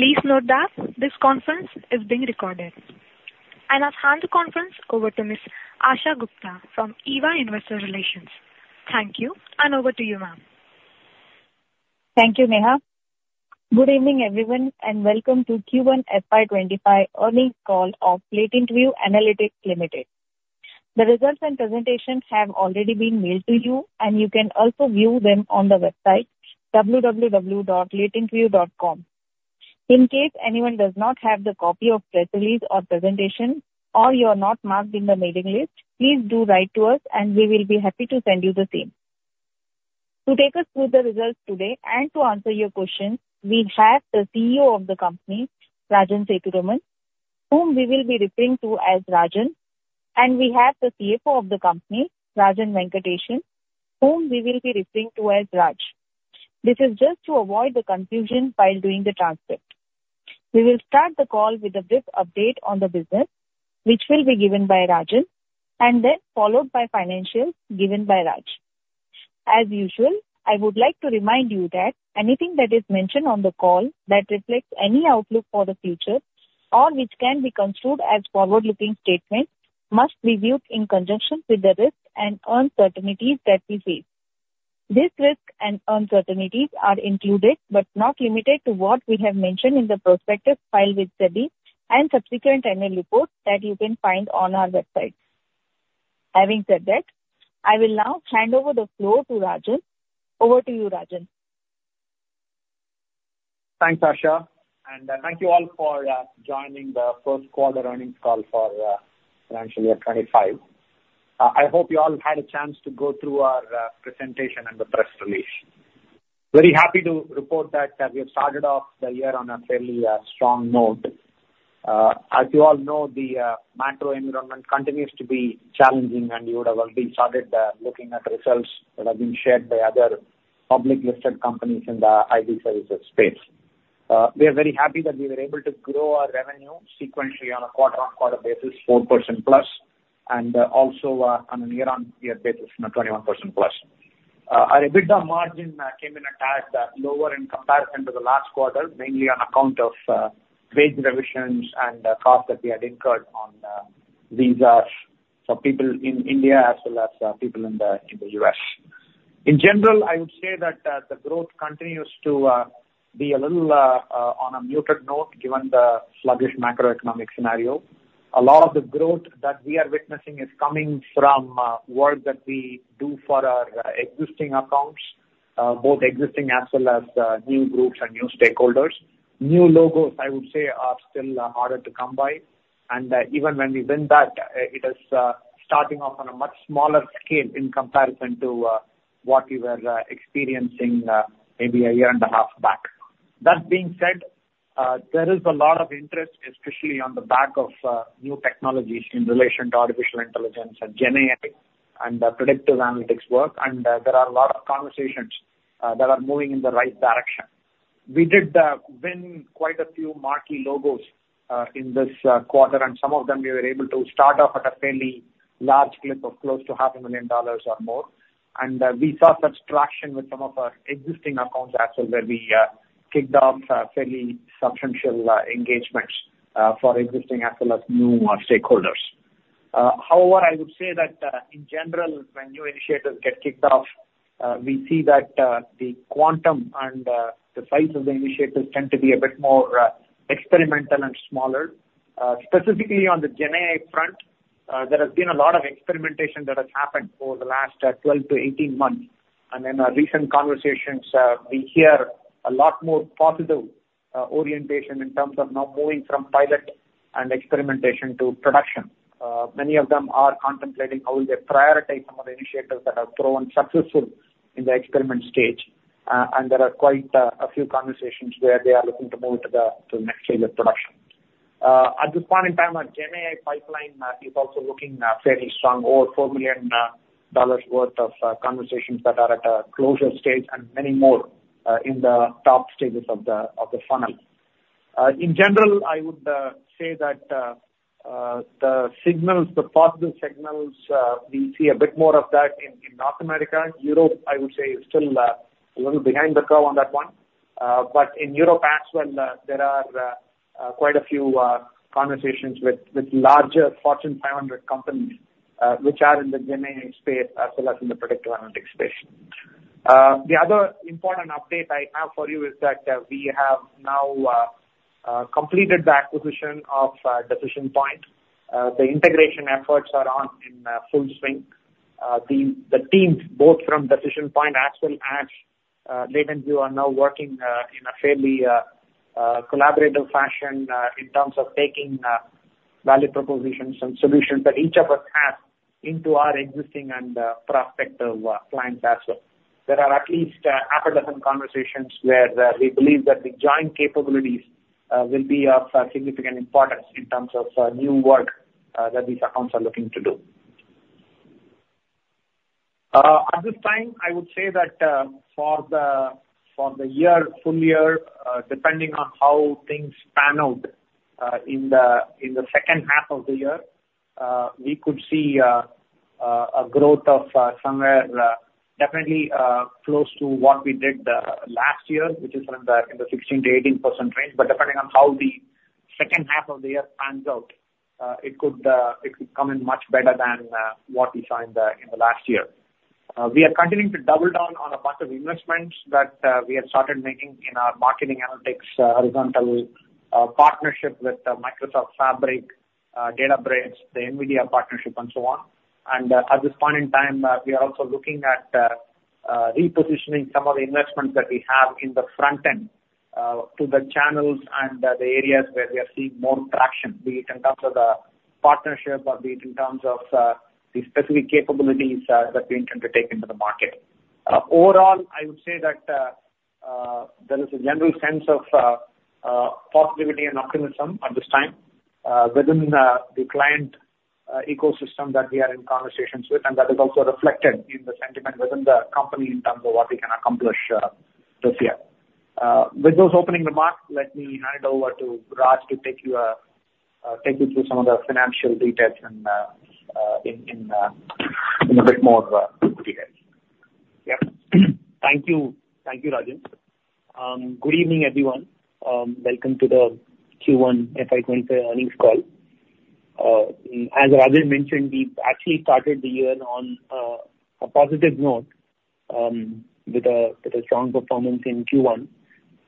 Please note that this conference is being recorded. I'll now hand the conference over to Ms. Asha Gupta from EY Investor Relations. Thank you, and over to you, ma'am. Thank you, Neha. Good evening, everyone, and welcome to Q1 FY25 earnings call of LatentView Analytics Limited. The results and presentations have already been mailed to you, and you can also view them on the website www.latentview.com. In case anyone does not have the copy of press release or presentation, or you are not marked in the mailing list, please do write to us, and we will be happy to send you the same. To take us through the results today and to answer your questions, we have the CEO of the company, Rajan Sethuraman, whom we will be referring to as Rajan, and we have the CFO of the company, Rajan Venkatesan, whom we will be referring to as Raj. This is just to avoid the confusion while doing the transcript. We will start the call with a brief update on the business, which will be given by Rajan, and then followed by financials given by Raj. As usual, I would like to remind you that anything that is mentioned on the call that reflects any outlook for the future or which can be construed as forward-looking statements must be viewed in conjunction with the risks and uncertainties that we face. These risks and uncertainties are included, but not limited to, what we have mentioned in the prospectus filed with SEBI and subsequent annual reports that you can find on our website. Having said that, I will now hand over the floor to Rajan. Over to you, Rajan. Thanks, Asha, and thank you all for joining the first quarter earnings call for financial year 25. I hope you all had a chance to go through our presentation and the press release. Very happy to report that we have started off the year on a fairly strong note. As you all know, the macro environment continues to be challenging, and you would have already started looking at results that have been shared by other public-listed companies in the IT services space. We are very happy that we were able to grow our revenue sequentially on a quarter-on-quarter basis, 4%+, and also on a year-on-year basis, 21%+. Our EBITDA margin came in a tad lower in comparison to the last quarter, mainly on account of wage revisions and costs that we had incurred on visas for people in India as well as people in the U.S. In general, I would say that the growth continues to be a little on a muted note, given the sluggish macroeconomic scenario. A lot of the growth that we are witnessing is coming from work that we do for our existing accounts, both existing as well as new groups and new stakeholders. New logos, I would say, are still harder to come by, and even when we win that, it is starting off on a much smaller scale in comparison to what we were experiencing maybe a year and a half back. That being said, there is a lot of interest, especially on the back of new technologies in relation to artificial intelligence and GenAI and the predictive analytics work, and there are a lot of conversations that are moving in the right direction. We did win quite a few marquee logos in this quarter, and some of them we were able to start off at a fairly large clip of close to $500,000 or more. We saw such traction with some of our existing accounts as well, where we kicked off fairly substantial engagements for existing as well as new stakeholders. However, I would say that in general, when new initiatives get kicked off, we see that the quantum and the size of the initiatives tend to be a bit more experimental and smaller. Specifically on the GenAI front, there has been a lot of experimentation that has happened over the last 12-18 months. And in our recent conversations, we hear a lot more positive orientation in terms of now moving from pilot and experimentation to production. Many of them are contemplating how they prioritize some of the initiatives that have proven successful in the experiment stage. And there are quite a few conversations where they are looking to move to the next stage of production. At this point in time, our GenAI pipeline is also looking fairly strong, over $4 million worth of conversations that are at a closure stage, and many more in the top stages of the funnel. In general, I would say that the signals, the positive signals, we see a bit more of that in North America. Europe, I would say, is still a little behind the curve on that one. But in Europe as well, there are quite a few conversations with larger Fortune 500 companies, which are in the GenAI space, as well as in the predictive analytics space. The other important update I have for you is that, we have now completed the acquisition of Decision Point. The integration efforts are on in full swing. The teams, both from Decision Point as well as LatentView, are now working in a fairly collaborative fashion in terms of taking value propositions and solutions that each of us have into our existing and prospective clients as well. There are at least 6 conversations where we believe that the joint capabilities will be of significant importance in terms of new work that these accounts are looking to do. At this time, I would say that, for the year, full year, depending on how things pan out, in the second half of the year, we could see, a growth of, somewhere, definitely, close to what we did, last year, which is in the 16%-18% range. But depending on how the second half of the year pans out, it could, it could come in much better than, what we saw in the last year. We are continuing to double down on a bunch of investments that, we have started making in our marketing analytics, horizontal, partnership with, Microsoft Fabric, Databricks, the NVIDIA partnership, and so on. At this point in time, we are also looking at repositioning some of the investments that we have in the front end to the channels and the areas where we are seeing more traction, be it in terms of the partnership or be it in terms of the specific capabilities that we intend to take into the market. Overall, I would say that there is a general sense of positivity and optimism at this time within the client ecosystem that we are in conversations with, and that is also reflected in the sentiment within the company in terms of what we can accomplish this year. With those opening remarks, let me hand it over to Raj to take you through some of the financial details and in a bit more details. Yeah. Thank you. Thank you, Rajan. Good evening, everyone. Welcome to the Q1 FY 2025 earnings call. As Rajan mentioned, we actually started the year on a positive note with a strong performance in Q1.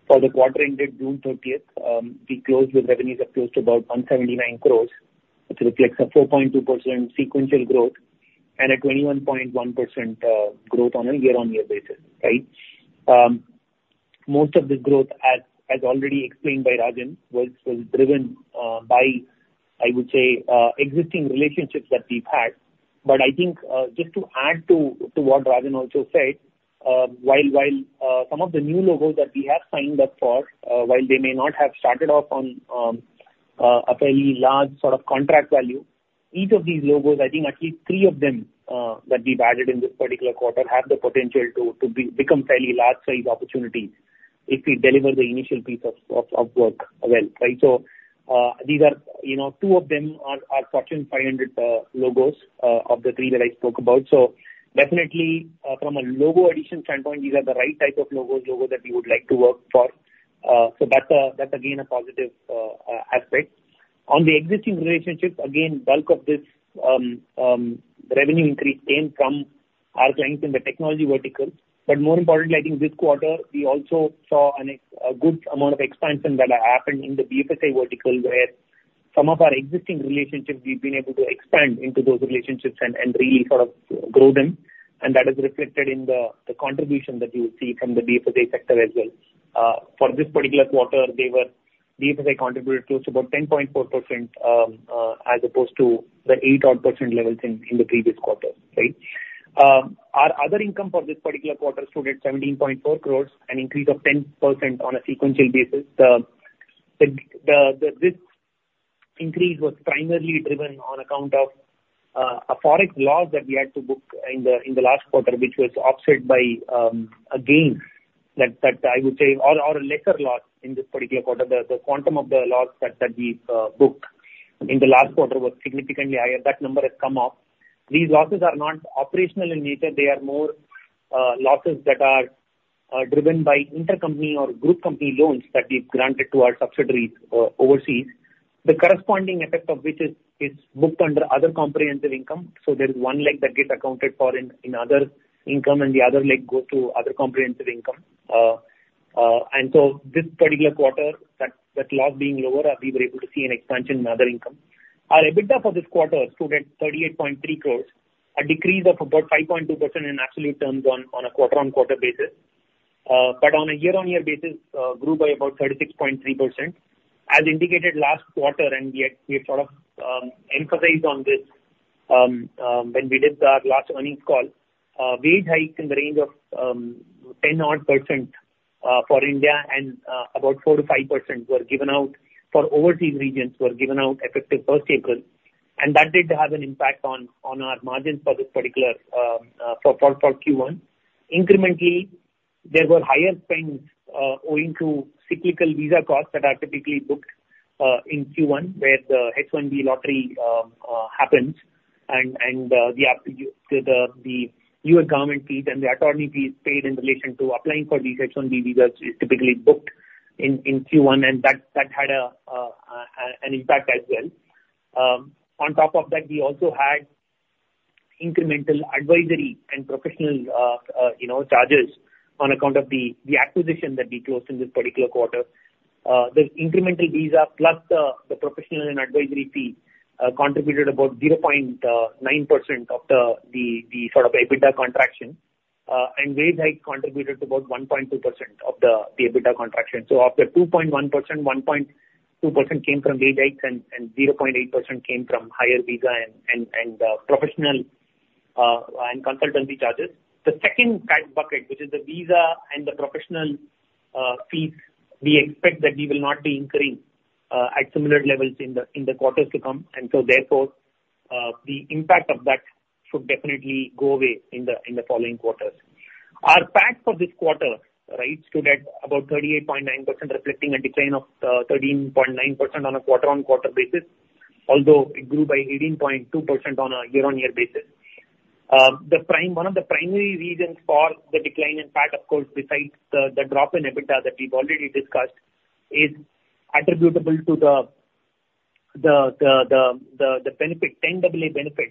For the quarter ended June 30th, we closed with revenues of close to about 179 crore, which reflects a 4.2% sequential growth and a 21.1% growth on a year-on-year basis, right? Most of this growth, as already explained by Rajan, was driven by, I would say, existing relationships that we've had. But I think, just to add to what Rajan also said, while some of the new logos that we have signed up for, while they may not have started off on a fairly large sort of contract value, each of these logos, I think at least 3 of them, that we've added in this particular quarter, have the potential to become fairly large-sized opportunities if we deliver the initial piece of work well, right? So, these are, you know, 2 of them are Fortune 500 logos, of the 3 that I spoke about. So definitely, from a logo addition standpoint, these are the right type of logos, logos that we would like to work for. So that's a, that's again, a positive aspect. On the existing relationships, again, bulk of this revenue increase came from our clients in the technology vertical. But more importantly, I think this quarter, we also saw a good amount of expansion that happened in the BFSI vertical, where some of our existing relationships, we've been able to expand into those relationships and really sort of grow them, and that is reflected in the contribution that you see from the BFSI sector as well. For this particular quarter, BFSI contributed close to about 10.4%, as opposed to the 8% or so levels in the previous quarter, right? Our other income for this particular quarter stood at 17.4 crores, an increase of 10% on a sequential basis. This increase was primarily driven on account of a Forex loss that we had to book in the last quarter, which was offset by a gain that I would say or a lesser loss in this particular quarter. The quantum of the loss that we booked in the last quarter was significantly higher. That number has come up. These losses are not operational in nature. They are more losses that are driven by intercompany or group company loans that we've granted to our subsidiaries overseas. The corresponding effect of which is booked under other comprehensive income. So there is one leg that gets accounted for in other income, and the other leg goes to other comprehensive income. And so this particular quarter, that loss being lower, we were able to see an expansion in other income. Our EBITDA for this quarter stood at 38.3 crores, a decrease of about 5.2% in absolute terms on a quarter-on-quarter basis, but on a year-on-year basis, grew by about 36.3%. As indicated last quarter, and we had, we sort of emphasized on this, when we did our last earnings call, wage hike in the range of 10% for India and about 4%-5% were given out for overseas regions, were given out effective April 1. And that did have an impact on our margins for this particular for Q1. Incrementally, there were higher spends owing to cyclical visa costs that are typically booked in Q1, where the H-1B lottery happens, and the U.S. government fees and the attorney fees paid in relation to applying for these H-1B visas is typically booked in Q1, and that had an impact as well. On top of that, we also had incremental advisory and professional, you know, charges on account of the acquisition that we closed in this particular quarter. The incremental visa, plus the professional and advisory fee, contributed about 0.9% of the sort of EBITDA contraction, and wage hike contributed about 1.2% of the EBITDA contraction. So of the 2.1%, 1.2% came from wage hikes and zero point eight percent came from higher visa and professional and consultancy charges. The second bucket, which is the visa and the professional fees, we expect that we will not be incurring at similar levels in the quarters to come, and so therefore the impact of that should definitely go away in the following quarters. Our PAT for this quarter, right, stood at about 38.9%, reflecting a decline of thirteen point nine percent on a quarter-on-quarter basis, although it grew by 18.2% on a year-on-year basis. One of the primary reasons for the decline in PAT, of course, besides the drop in EBITDA that we've already discussed, is attributable to the 10AA benefit that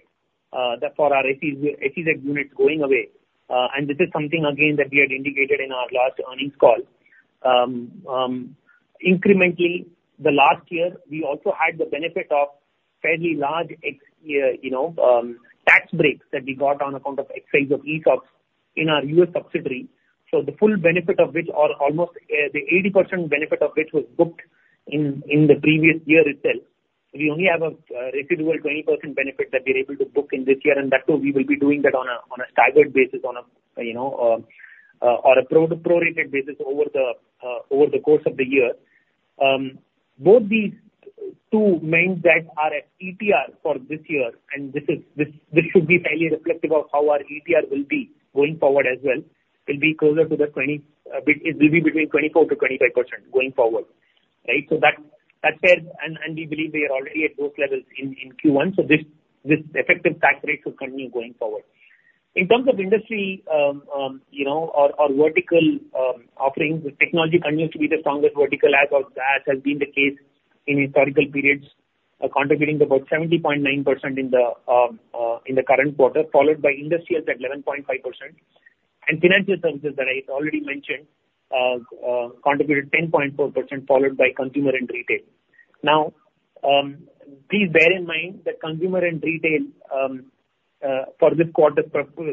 for our SEZ unit going away. And this is something again that we had indicated in our last earnings call. Incrementally, the last year, we also had the benefit of fairly large exercise, you know, tax breaks that we got on account of exercise of ESOPs in our U.S. subsidiary. So the full benefit of which was almost the 80% benefit of which was booked in the previous year itself. We only have a residual 20% benefit that we're able to book in this year, and that too, we will be doing that on a staggered basis, you know, on a prorated basis over the course of the year. Both these two main heads are at ETR for this year, and this should be fairly reflective of how our ETR will be going forward as well; it will be between 24%-25% going forward, right? So that said, and we believe we are already at those levels in Q1, so this effective tax rate will continue going forward. In terms of industry, you know, our vertical offerings, technology continues to be the strongest vertical as has been the case in historical periods, contributing about 70.9% in the current quarter, followed by industrials at 11.5%. Financial services that I already mentioned contributed 10.4%, followed by consumer and retail. Now, please bear in mind that consumer and retail for this quarter,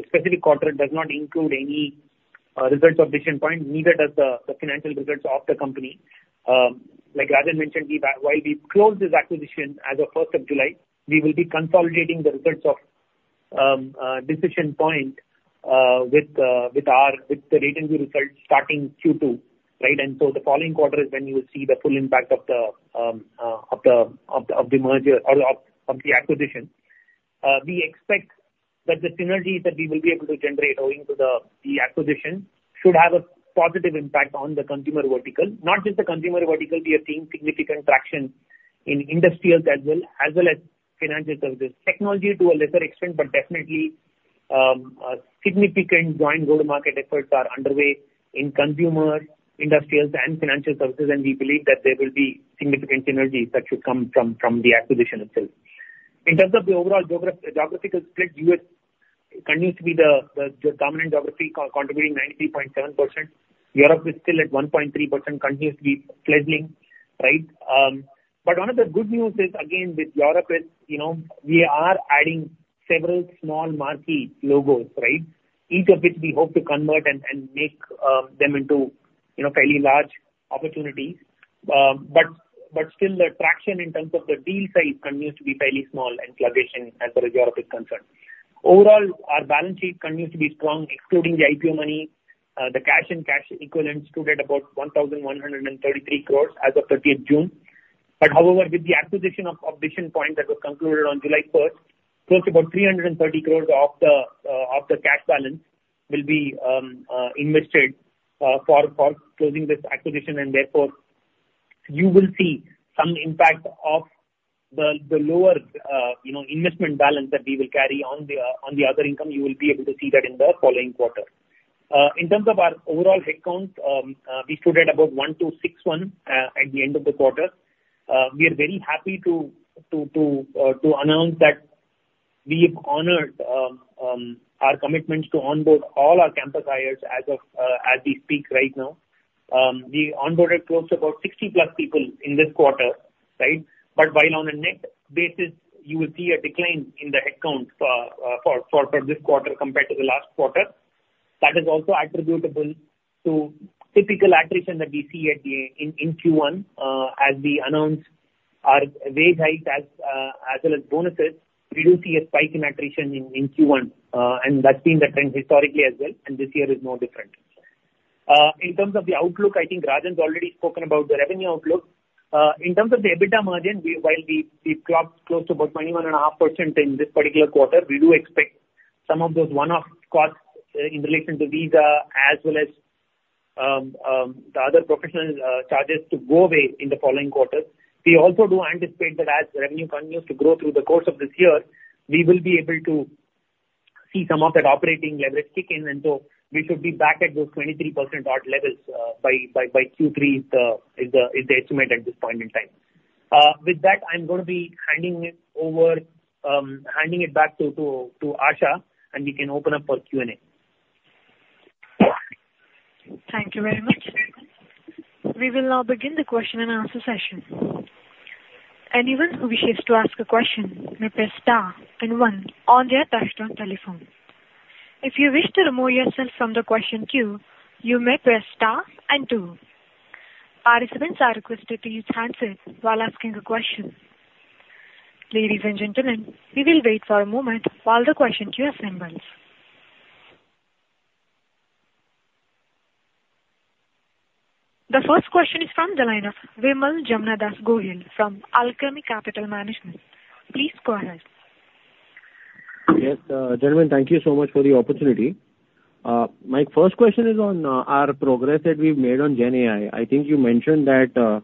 specific quarter, does not include any results of Decision Point, neither does the financial results of the company. Like Rajan mentioned, we, while we closed this acquisition as of July 1, we will be consolidating the results of Decision Point with our results starting Q2, right? The following quarter is when you will see the full impact of the merger or of the acquisition. We expect that the synergies that we will be able to generate owing to the acquisition should have a positive impact on the consumer vertical. Not just the consumer vertical, we are seeing significant traction in industrials as well as financial services. Technology to a lesser extent, but definitely a significant joint go-to-market efforts are underway in consumer, industrials, and financial services, and we believe that there will be significant synergies that should come from the acquisition itself. In terms of the overall geographical split, US continues to be the dominant geography contributing 93.7%. Europe is still at 1.3%, continues to be fledgling, right? But one of the good news is, again, with Europe is, you know, we are adding several small marquee logos, right? Each of which we hope to convert and make them into, you know, fairly large opportunities. But still, the traction in terms of the deal size continues to be fairly small and sluggish as far as Europe is concerned. Overall, our balance sheet continues to be strong, excluding the IPO money, the cash and cash equivalents stood at about 1,133 crores as of 13th June. However, with the acquisition of Decision Point that was concluded on July first, close about 330 crores of the cash balance will be invested for closing this acquisition, and therefore, you will see some impact of the lower, you know, investment balance that we will carry on the other income, you will be able to see that in the following quarter. In terms of our overall head count, we stood at about 1,261 at the end of the quarter. We are very happy to announce that we've honored our commitments to onboard all our campus hires as of, as we speak right now. We onboarded close to about 60+ people in this quarter, right? But while on a net basis, you will see a decline in the head count for this quarter compared to the last quarter. That is also attributable to typical attrition that we see in Q1. As we announce our wage hike as well as bonuses, we do see a spike in attrition in Q1, and that's been the trend historically as well, and this year is no different. In terms of the outlook, I think Rajan's already spoken about the revenue outlook. In terms of the EBITDA margin, while we clocked close to about 21.5% in this particular quarter, we do expect some of those one-off costs in relation to visa as well as the other professional charges to go away in the following quarter. We also do anticipate that as revenue continues to grow through the course of this year, we will be able to see some of that operating leverage kick in, and so we should be back at those 23% odd levels by Q3 is the estimate at this point in time. With that, I'm gonna be handing it back to Asha, and we can open up for Q&A. Thank you very much. We will now begin the question and answer session. Anyone who wishes to ask a question may press star and one on their touchtone telephone. If you wish to remove yourself from the question queue, you may press star and two. Participants are requested to use handsets while asking a question. Ladies and gentlemen, we will wait for a moment while the question queue assembles. The first question is from the line of Vimal Gohil from Alchemy Capital Management. Please go ahead. Yes, gentlemen, thank you so much for the opportunity. My first question is on our progress that we've made on GenAI. I think you mentioned that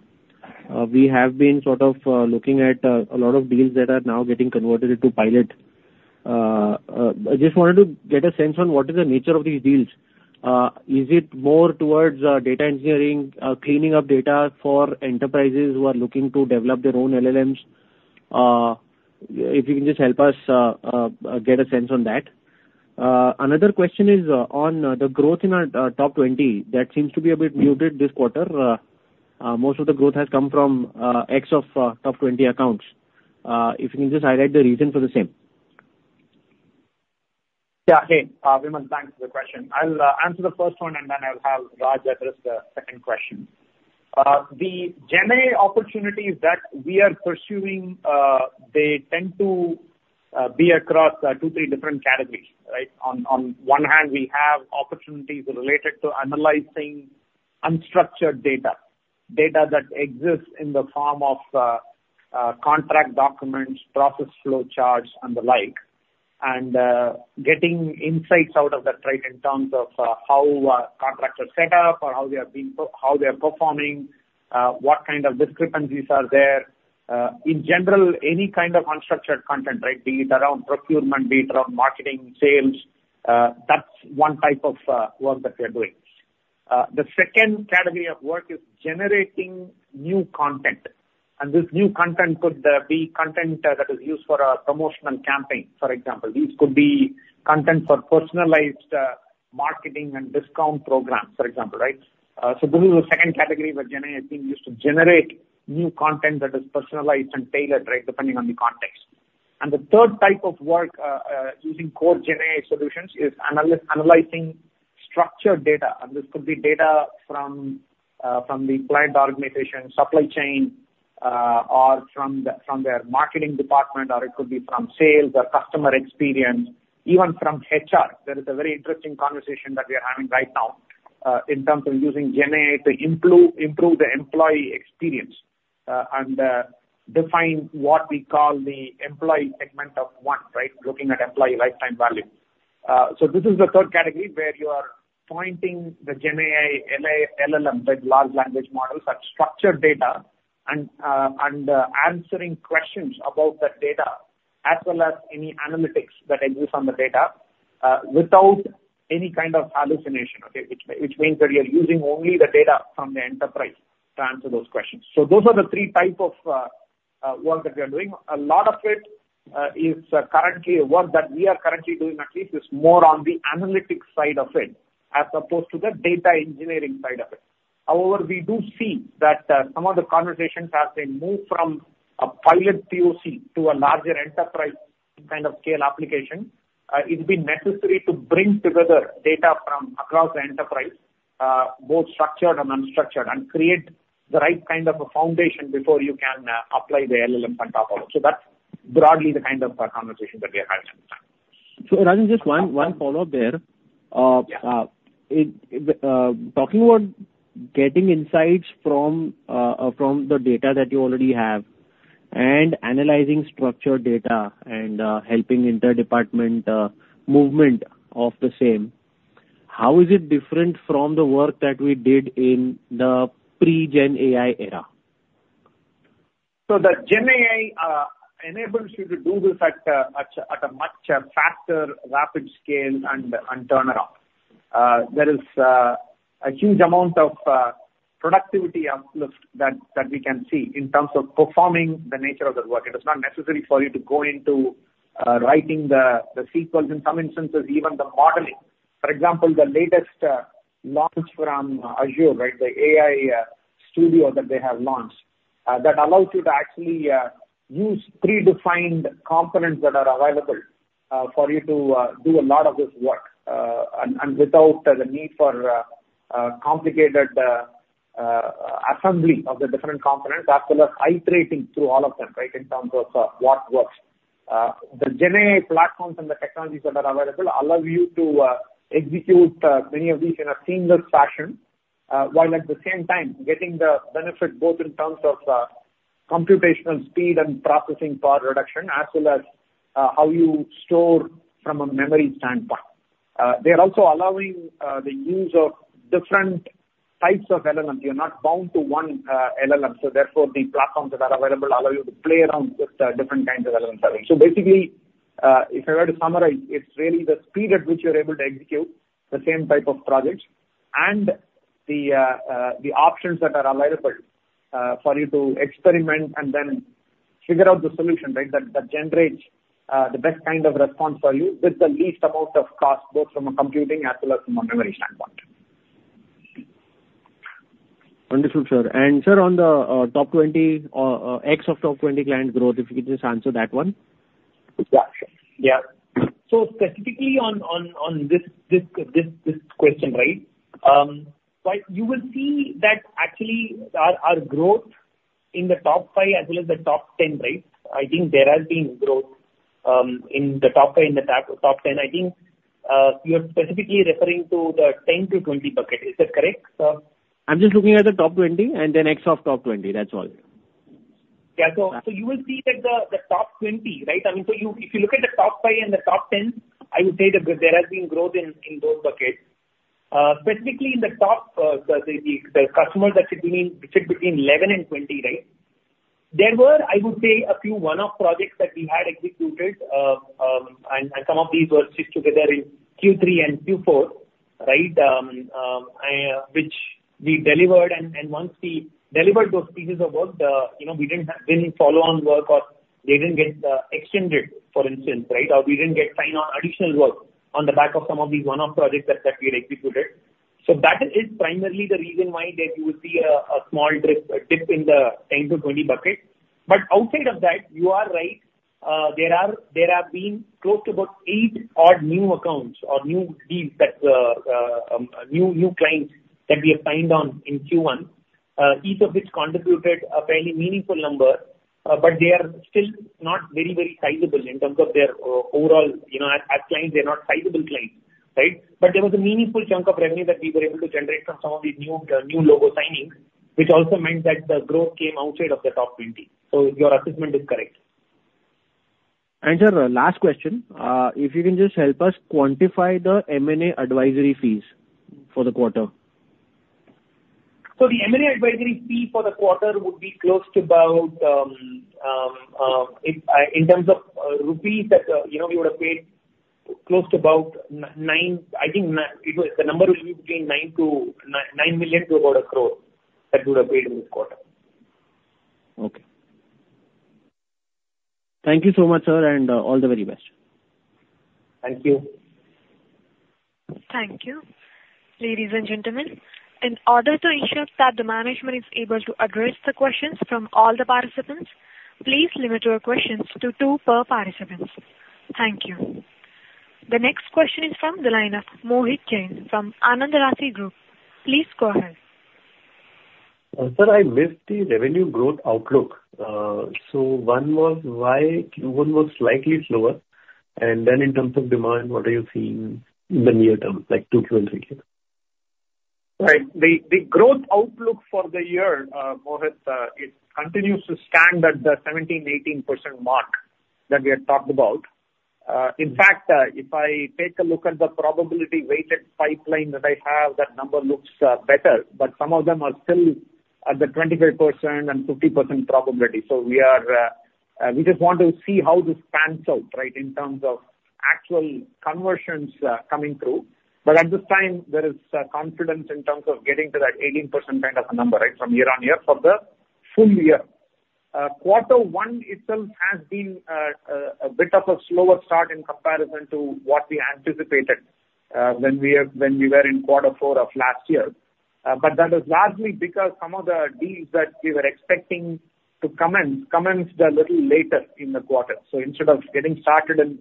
we have been sort of looking at a lot of deals that are now getting converted into pilot. I just wanted to get a sense on what is the nature of these deals. Is it more towards data engineering, cleaning up data for enterprises who are looking to develop their own LLMs? If you can just help us get a sense on that. Another question is on the growth in our top 20. That seems to be a bit muted this quarter. Most of the growth has come from ex of top 20 accounts. If you can just highlight the reason for the same. Yeah. Hey, Vimal, thanks for the question. I'll answer the first one, and then I'll have Raj address the second question. The GenAI opportunities that we are pursuing, they tend to be across 2, 3 different categories, right? On one hand, we have opportunities related to analyzing unstructured data, data that exists in the form of contract documents, process flow charts, and the like. And getting insights out of that, right, in terms of how contracts are set up or how they are performing, what kind of discrepancies are there. In general, any kind of unstructured content, right? Be it around procurement, be it around marketing, sales, that's one type of work that we are doing. The second category of work is generating new content, and this new content could be content that is used for a promotional campaign, for example. These could be content for personalized marketing and discount programs, for example, right? So this is the second category where GenAI is being used to generate new content that is personalized and tailored, right, depending on the context. And the third type of work using core GenAI solutions is analyzing structured data. And this could be data from the client organization, supply chain, or from their marketing department, or it could be from sales or customer experience, even from HR. That is a very interesting conversation that we are having right now, in terms of using GenAI to improve the employee experience, and define what we call the employee segment of one, right? Looking at employee lifetime value. So this is the third category, where you are pointing the GenAI, LLM, the large language models, at structured data, and answering questions about that data, as well as any analytics that I use on the data, without any kind of hallucination, okay? Which means that you're using only the data from the enterprise to answer those questions. So those are the three type of work that we are doing. A lot of it, is currently, work that we are currently doing at least, is more on the analytics side of it, as opposed to the data engineering side of it. However, we do see that, some of the conversations as they move from a pilot POC to a larger enterprise kind of scale application, it'll be necessary to bring together data from across the enterprise, both structured and unstructured, and create the right kind of a foundation before you can, apply the LLM on top of it. So that's broadly the kind of conversation that we are having at the time. Rajan, just one, one follow-up there. Yeah. Talking about getting insights from the data that you already have and analyzing structured data and helping inter-departmental movement of the same, how is it different from the work that we did in the pre-GenAI era? So the GenAI enables you to do this at a much faster, rapid scale and turnaround. There is a huge amount of productivity uplift that we can see in terms of performing the nature of the work. It is not necessary for you to go into writing the SQLs, in some instances, even the modeling. For example, the latest launch from Azure, right, the AI Studio that they have launched, that allows you to actually use predefined components that are available for you to do a lot of this work. And without the need for complicated assembly of the different components, as well as iterating through all of them, right, in terms of what works. The GenAI platforms and the technologies that are available allow you to execute many of these in a seamless fashion, while at the same time getting the benefit both in terms of computational speed and processing power reduction, as well as how you store from a memory standpoint. They are also allowing the use of different types of LLM. You're not bound to one LLM, so therefore, the platforms that are available allow you to play around with different kinds of LLM services. So basically, if I were to summarize, it's really the speed at which you're able to execute the same type of projects and the options that are available for you to experiment and then figure out the solution, right, that that generates the best kind of response for you with the least amount of cost, both from a computing as well as from a memory standpoint. Wonderful, sir. Sir, on the top 20, Ex top 20 client growth, if you could just answer that one. Yeah. Yeah. So specifically on this question, right? Like, you will see that actually our growth in the top five as well as the top ten, right? I think there has been growth in the top, in the top 10, I think, you are specifically referring to the 10-20 bucket. Is that correct, sir? I'm just looking at the top 20 and then Ex of top 20. That's all. Yeah. So you will see that the top 20, right? I mean, so if you look at the top 5 and the top 10, I would say that there has been growth in those buckets. Specifically in the top customers that sit between 11 and 20, right? There were, I would say, a few one-off projects that we had executed, and some of these were stitched together in Q3 and Q4, right? Which we delivered, and once we delivered those pieces of work, you know, we didn't have any follow-on work or they didn't get extended, for instance, right? Or we didn't get signed on additional work on the back of some of these one-off projects that we had executed. So that is primarily the reason why you would see a small dip in the 10-20 bucket. But outside of that, you are right. There have been close to about 8 odd new accounts or new deals that new clients that we have signed on in Q1, each of which contributed a fairly meaningful number, but they are still not very, very sizable in terms of their overall, you know, as clients, they're not sizable clients, right? But there was a meaningful chunk of revenue that we were able to generate from some of these new new logo signings, which also meant that the growth came outside of the top 20. So your assessment is correct. Sir, last question. If you can just help us quantify the M&A advisory fees for the quarter. So the M&A advisory fee for the quarter would be close to about, in terms of rupees, that you know, we would have paid close to about 9 million. I think you know, the number will be between 9 million to about 1 crore that we would have paid in this quarter. Okay. Thank you so much, sir, and all the very best. Thank you. Thank you. Ladies and gentlemen, in order to ensure that the management is able to address the questions from all the participants, please limit your questions to two per participant. Thank you. The next question is from the line of Mohit Jain from Anand Rathi Group. Please go ahead. Sir, I missed the revenue growth outlook. So one was why Q1 was slightly slower, and then in terms of demand, what are you seeing in the near term, like two, three years? Right. The growth outlook for the year, Mohit, it continues to stand at the 17%-18% mark that we had talked about. In fact, if I take a look at the probability-weighted pipeline that I have, that number looks better, but some of them are still at the 25% and 50% probability. So we are, we just want to see how this pans out, right, in terms of actual conversions coming through. But at this time, there is confidence in terms of getting to that 18% kind of a number, right, from year-on-year for the full year. Quarter one itself has been, a bit of a slower start in comparison to what we anticipated, when we were in quarter four of last year. But that is largely because some of the deals that we were expecting to commence, commenced a little later in the quarter. So instead of getting started in,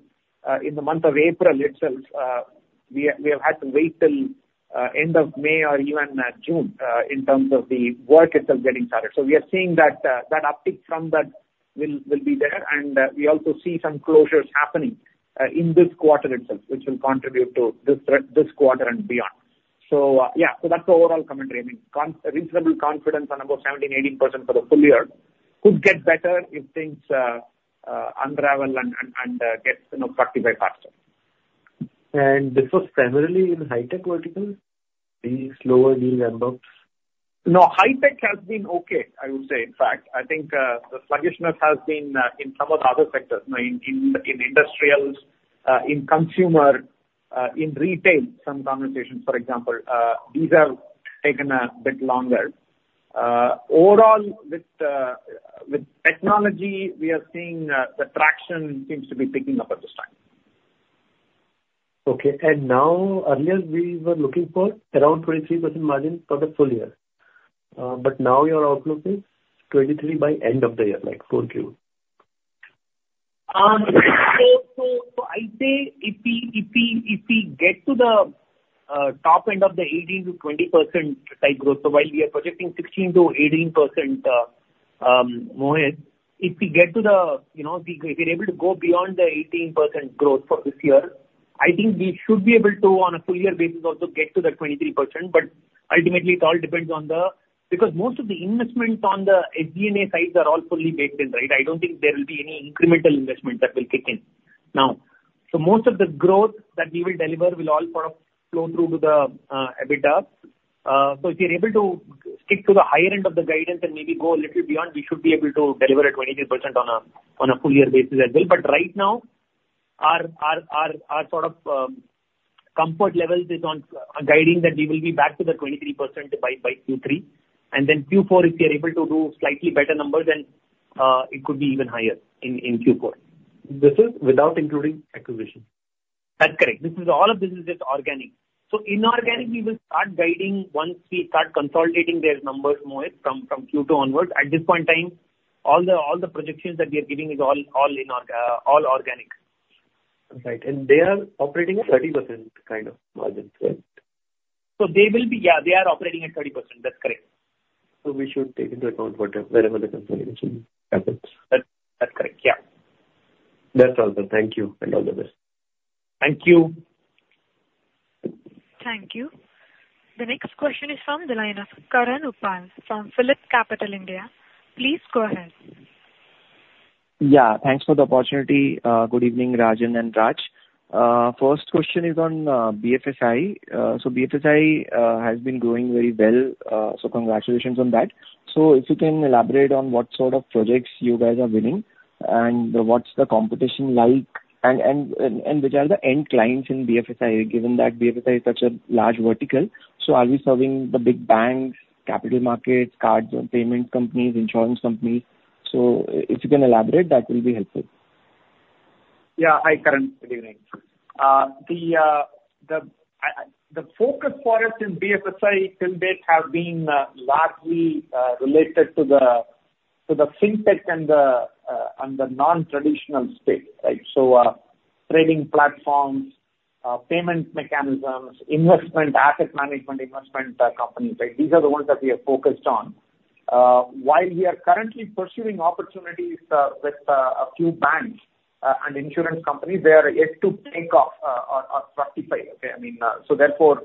in the month of April itself, we have had to wait till, end of May or even, June, in terms of the work itself getting started. So we are seeing that that uptick from that will be there, and we also see some closures happening, in this quarter itself, which will contribute to this quarter and beyond. So, yeah, so that's the overall commentary. I mean, con- reasonable confidence on about 17-18% for the full year. Could get better if things, unravel and, get, you know, punctuated faster. This was primarily in high tech verticals, being slower deal amounts? No, high tech has been okay, I would say. In fact, I think, the sluggishness has been, in some of the other sectors. You know, in industrials, in consumer, in retail, some conversations for example, these have taken a bit longer. Overall, with technology, we are seeing, the traction seems to be picking up at this time. Okay. Now, earlier we were looking for around 23% margin for the full year. But now your outlook is 23 by end of the year, like fourth quarter? So I'd say if we get to the top end of the 18%-20% type growth, so while we are projecting 16%-18%, Mohit, if we get to the... You know, we're able to go beyond the 18% growth for this year, I think we should be able to, on a full year basis, also get to the 23%. But ultimately, it all depends on the. Because most of the investments on the SG&A side are all fully baked in, right? I don't think there will be any incremental investment that will kick in now. So most of the growth that we will deliver will all sort of flow through to the EBITDA. So if we are able to stick to the higher end of the guidance and maybe go a little beyond, we should be able to deliver a 23% on a full year basis as well. But right now, our sort of comfort level is on guiding that we will be back to the 23% by Q3. And then Q4, if we are able to do slightly better numbers, then it could be even higher in Q4. This is without including acquisition? That's correct. This is all just organic. So inorganic, we will start guiding once we start consolidating their numbers, Mohit, from Q2 onwards. At this point in time, all the projections that we are giving is all organic. Right. And they are operating at 30% kind of margins, right? So they will be, yeah, they are operating at 30%. That's correct. We should take into account whatever the consolidation happens? That, that's correct. Yeah. That's all good. Thank you, and all the best. Thank you. Thank you. The next question is from the line of Karan Uppal from PhillipCapital India. Please go ahead. Yeah, thanks for the opportunity. Good evening, Rajan and Raj. First question is on BFSI. So BFSI has been growing very well, so congratulations on that. So if you can elaborate on what sort of projects you guys are winning, and what's the competition like, and which are the end clients in BFSI, given that BFSI is such a large vertical? So if you can elaborate, that will be helpful. Yeah. Hi, Karan. Good evening. The focus for us in BFSI till date has been largely related to the FinTech and the non-traditional space, right? So, trading platforms, payment mechanisms, investment, asset management, investment companies, right? These are the ones that we are focused on. While we are currently pursuing opportunities with a few banks and insurance companies, they are yet to take off or justify. Okay? I mean, so therefore,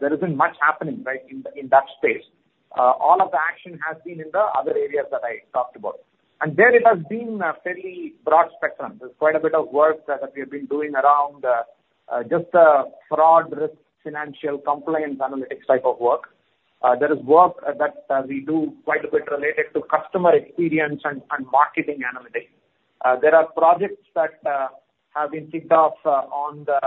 there isn't much happening, right, in that space. All of the action has been in the other areas that I talked about. And there it has been a fairly broad spectrum. There's quite a bit of work that we have been doing around just the fraud, risk, financial compliance, analytics type of work. There is work that we do quite a bit related to customer experience and marketing analytics. There are projects that have been kicked off on the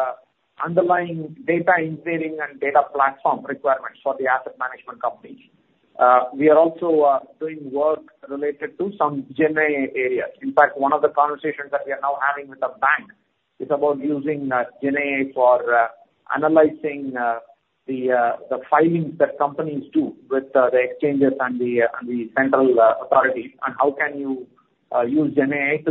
underlying data engineering and data platform requirements for the asset management companies. We are also doing work related to some GenAI areas. In fact, one of the conversations that we are now having with a bank is about using GenAI for analyzing the filings that companies do with the exchanges and the central authority, and how can you use GenAI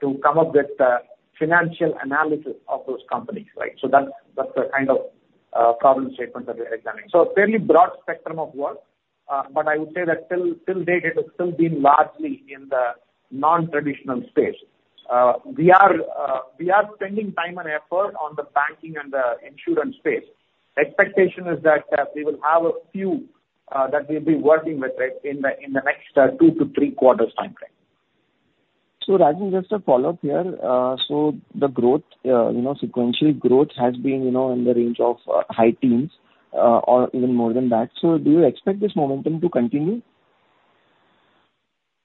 to come up with the financial analysis of those companies, right? So that's the kind of problem statement that we're examining. So fairly broad spectrum of work, but I would say that till date, it has still been largely in the non-traditional space. We are spending time and effort on the banking and the insurance space. Expectation is that we will have a few that we'll be working with, right, in the next 2-3 quarters timeframe. So, Rajan, just a follow-up here. So the growth, you know, sequential growth has been, you know, in the range of high teens, or even more than that. So do you expect this momentum to continue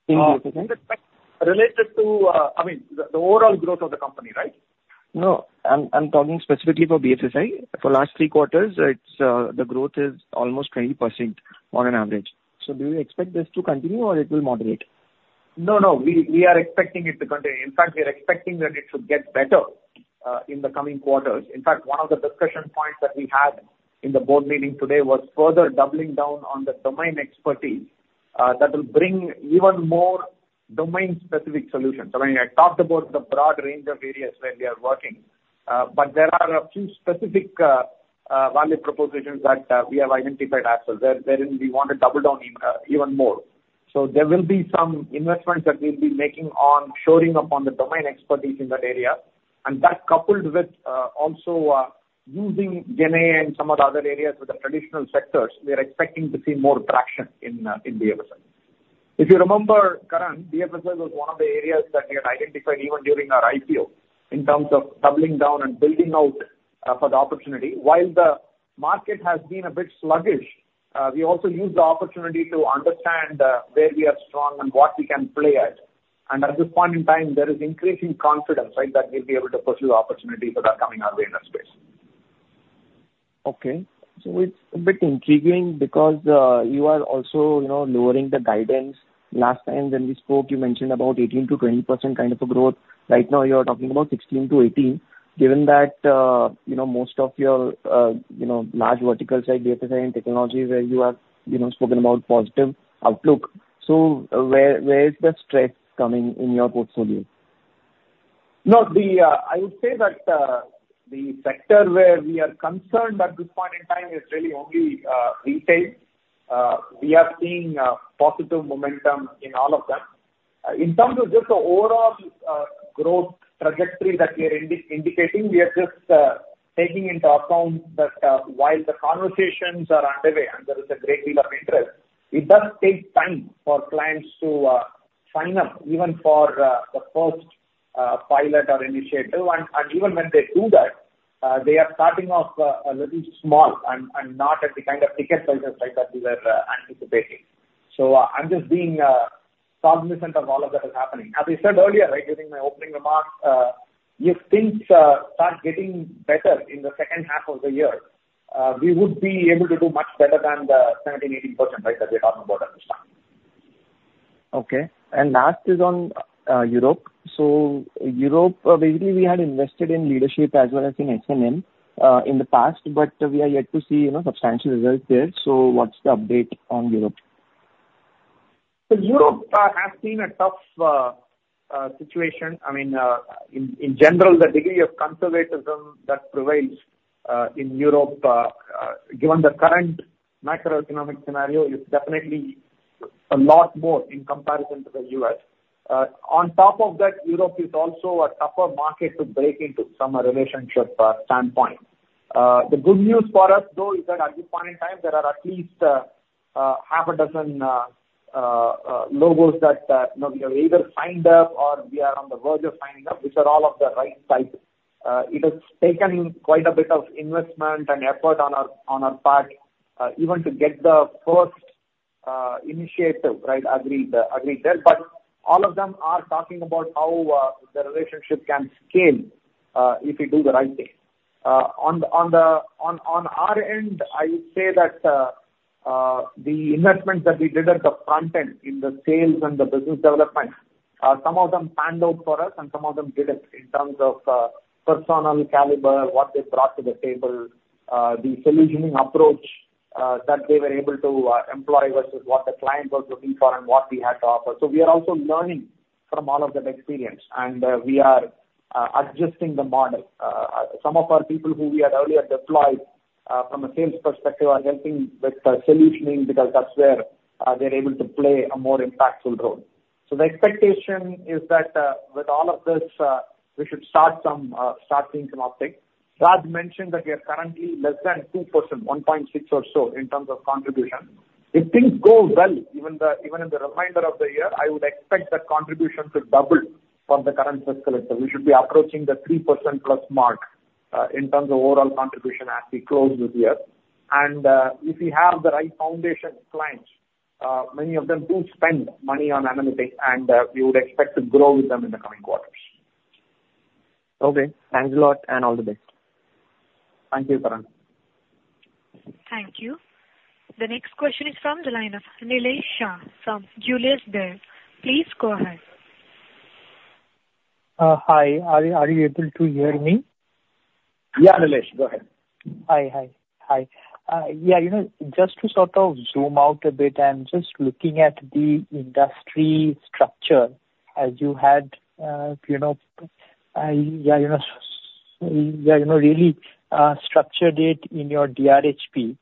in BFSI? Related to, I mean, the overall growth of the company, right? No, I'm, I'm talking specifically for BFSI. For last three quarters, it's, the growth is almost 20% on an average. So do you expect this to continue, or it will moderate? No, no, we are expecting it to continue. In fact, we are expecting that it should get better in the coming quarters. In fact, one of the discussion points that we had in the board meeting today was further doubling down on the domain expertise that will bring even more domain-specific solutions. I mean, I talked about the broad range of areas where we are working, but there are a few specific value propositions that we have identified ourselves, wherein we want to double down even more. So there will be some investments that we'll be making on shoring up on the domain expertise in that area. And that, coupled with also using GenAI in some of the other areas with the traditional sectors, we are expecting to see more traction in BFSI. If you remember, Karan, BFSI was one of the areas that we had identified even during our IPO, in terms of doubling down and building out, for the opportunity. While the market has been a bit sluggish, we also used the opportunity to understand, where we are strong and what we can play at. And at this point in time, there is increasing confidence, right, that we'll be able to pursue opportunities that are coming our way in that space. Okay. So it's a bit intriguing because, you are also, you know, lowering the guidance. Last time when we spoke, you mentioned about 18%-20% kind of a growth. Right now, you're talking about 16%-18%. Given that, you know, most of your, you know, large verticals like BFSI and technology, where you have, you know, spoken about positive outlook. So where, where is the stress coming in your portfolio? No, I would say that the sector where we are concerned at this point in time is really only retail. We are seeing positive momentum in all of them. In terms of just the overall growth trajectory that we are indicating, we are just taking into account that while the conversations are underway and there is a great deal of interest, it does take time for clients to sign up, even for the first pilot or initiative. And even when they do that, they are starting off a little small and not at the kind of ticket sizes, right, that we were anticipating. So I'm just being cognizant of all of that is happening. As I said earlier, right, during my opening remarks, if things start getting better in the second half of the year, we would be able to do much better than the 17%-18%, right, that we're talking about at this time. Okay. And last is on Europe. So Europe, basically, we had invested in leadership as well as in S&M in the past, but we are yet to see, you know, substantial results there. So what's the update on Europe? So Europe has seen a tough situation. I mean, in general, the degree of conservatism that prevails in Europe, given the current macroeconomic scenario, is definitely a lot more in comparison to the U.S. On top of that, Europe is also a tougher market to break into from a relationship standpoint. The good news for us, though, is that at this point in time, there are at least half a dozen logos that, you know, we have either signed up or we are on the verge of signing up, which are all of the right type. It has taken quite a bit of investment and effort on our part, even to get the first initiative, right, agreed, agreed there. But all of them are talking about how the relationship can scale if we do the right thing. On our end, I would say that the investments that we did at the front end in the sales and the business development, some of them panned out for us and some of them didn't, in terms of personal caliber, what they brought to the table, the solutioning approach that they were able to employ versus what the client was looking for and what we had to offer. So we are also learning from all of that experience, and we are adjusting the model. Some of our people who we had earlier deployed from a sales perspective are helping with the solutioning, because that's where they're able to play a more impactful role. So the expectation is that with all of this, we should start seeing some uptick. Raj mentioned that we are currently less than 2%, 1.6 or so, in terms of contribution. If things go well, even in the remainder of the year, I would expect that contribution to double from the current fiscal year. We should be approaching the 3% plus mark in terms of overall contribution as we close this year. And if we have the right foundation clients, many of them do spend money on analytics, and we would expect to grow with them in the coming quarters. Okay. Thanks a lot, and all the best. Thank you, Karan. Thank you. The next question is from the line of Nilesh Shah from Julius Baer. Please go ahead. Hi. Are you able to hear me? Yeah, Nilesh, go ahead. Hi, hi. Hi. Yeah, you know, just to sort of zoom out a bit, I'm just looking at the industry structure as you had, you know, yeah, you know, structured it in your DRHP,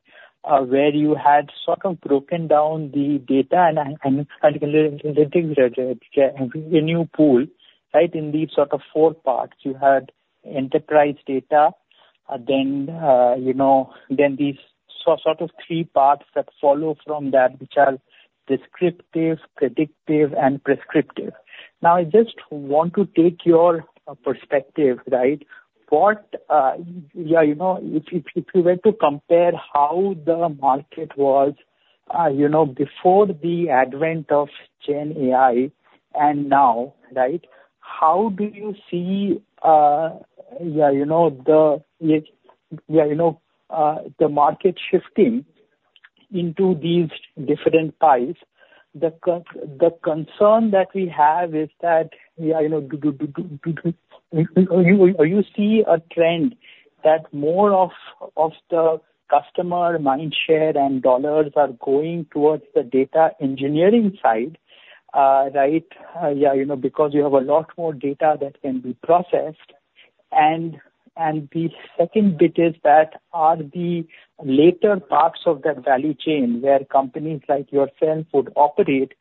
where you had sort of broken down the data and, and, and the new pool, right? In these sort of four parts. You had enterprise data, then, you know, then these sort of three parts that follow from that, which are descriptive, predictive, and prescriptive. Now, I just want to take your perspective, right? What, yeah, you know, if, if, if you were to compare how the market was, you know, before the advent of Gen AI and now, right, how do you see, yeah, you know, the, yeah, you know, the market shifting into these different pies? The concern that we have is that, yeah, you know, do you see a trend that more of the customer mindshare and dollars are going towards the data engineering side, right? Yeah, you know, because you have a lot more data that can be processed. And the second bit is that, are the later parts of that value chain, where companies like yourself would operate,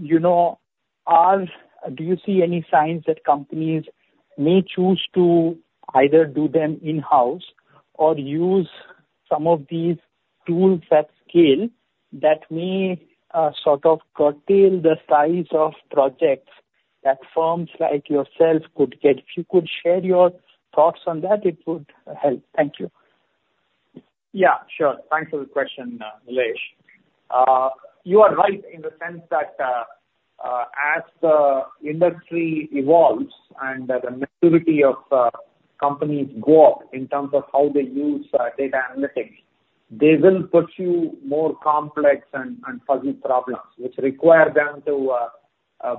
you know, do you see any signs that companies may choose to either do them in-house or use some of these tools that scale, that may sort of curtail the size of projects that firms like yourself could get? If you could share your thoughts on that, it would help. Thank you. Yeah, sure. Thanks for the question, Nilesh. You are right in the sense that, as the industry evolves and the maturity of companies go up in terms of how they use data analytics, they will pursue more complex and fuzzy problems, which require them to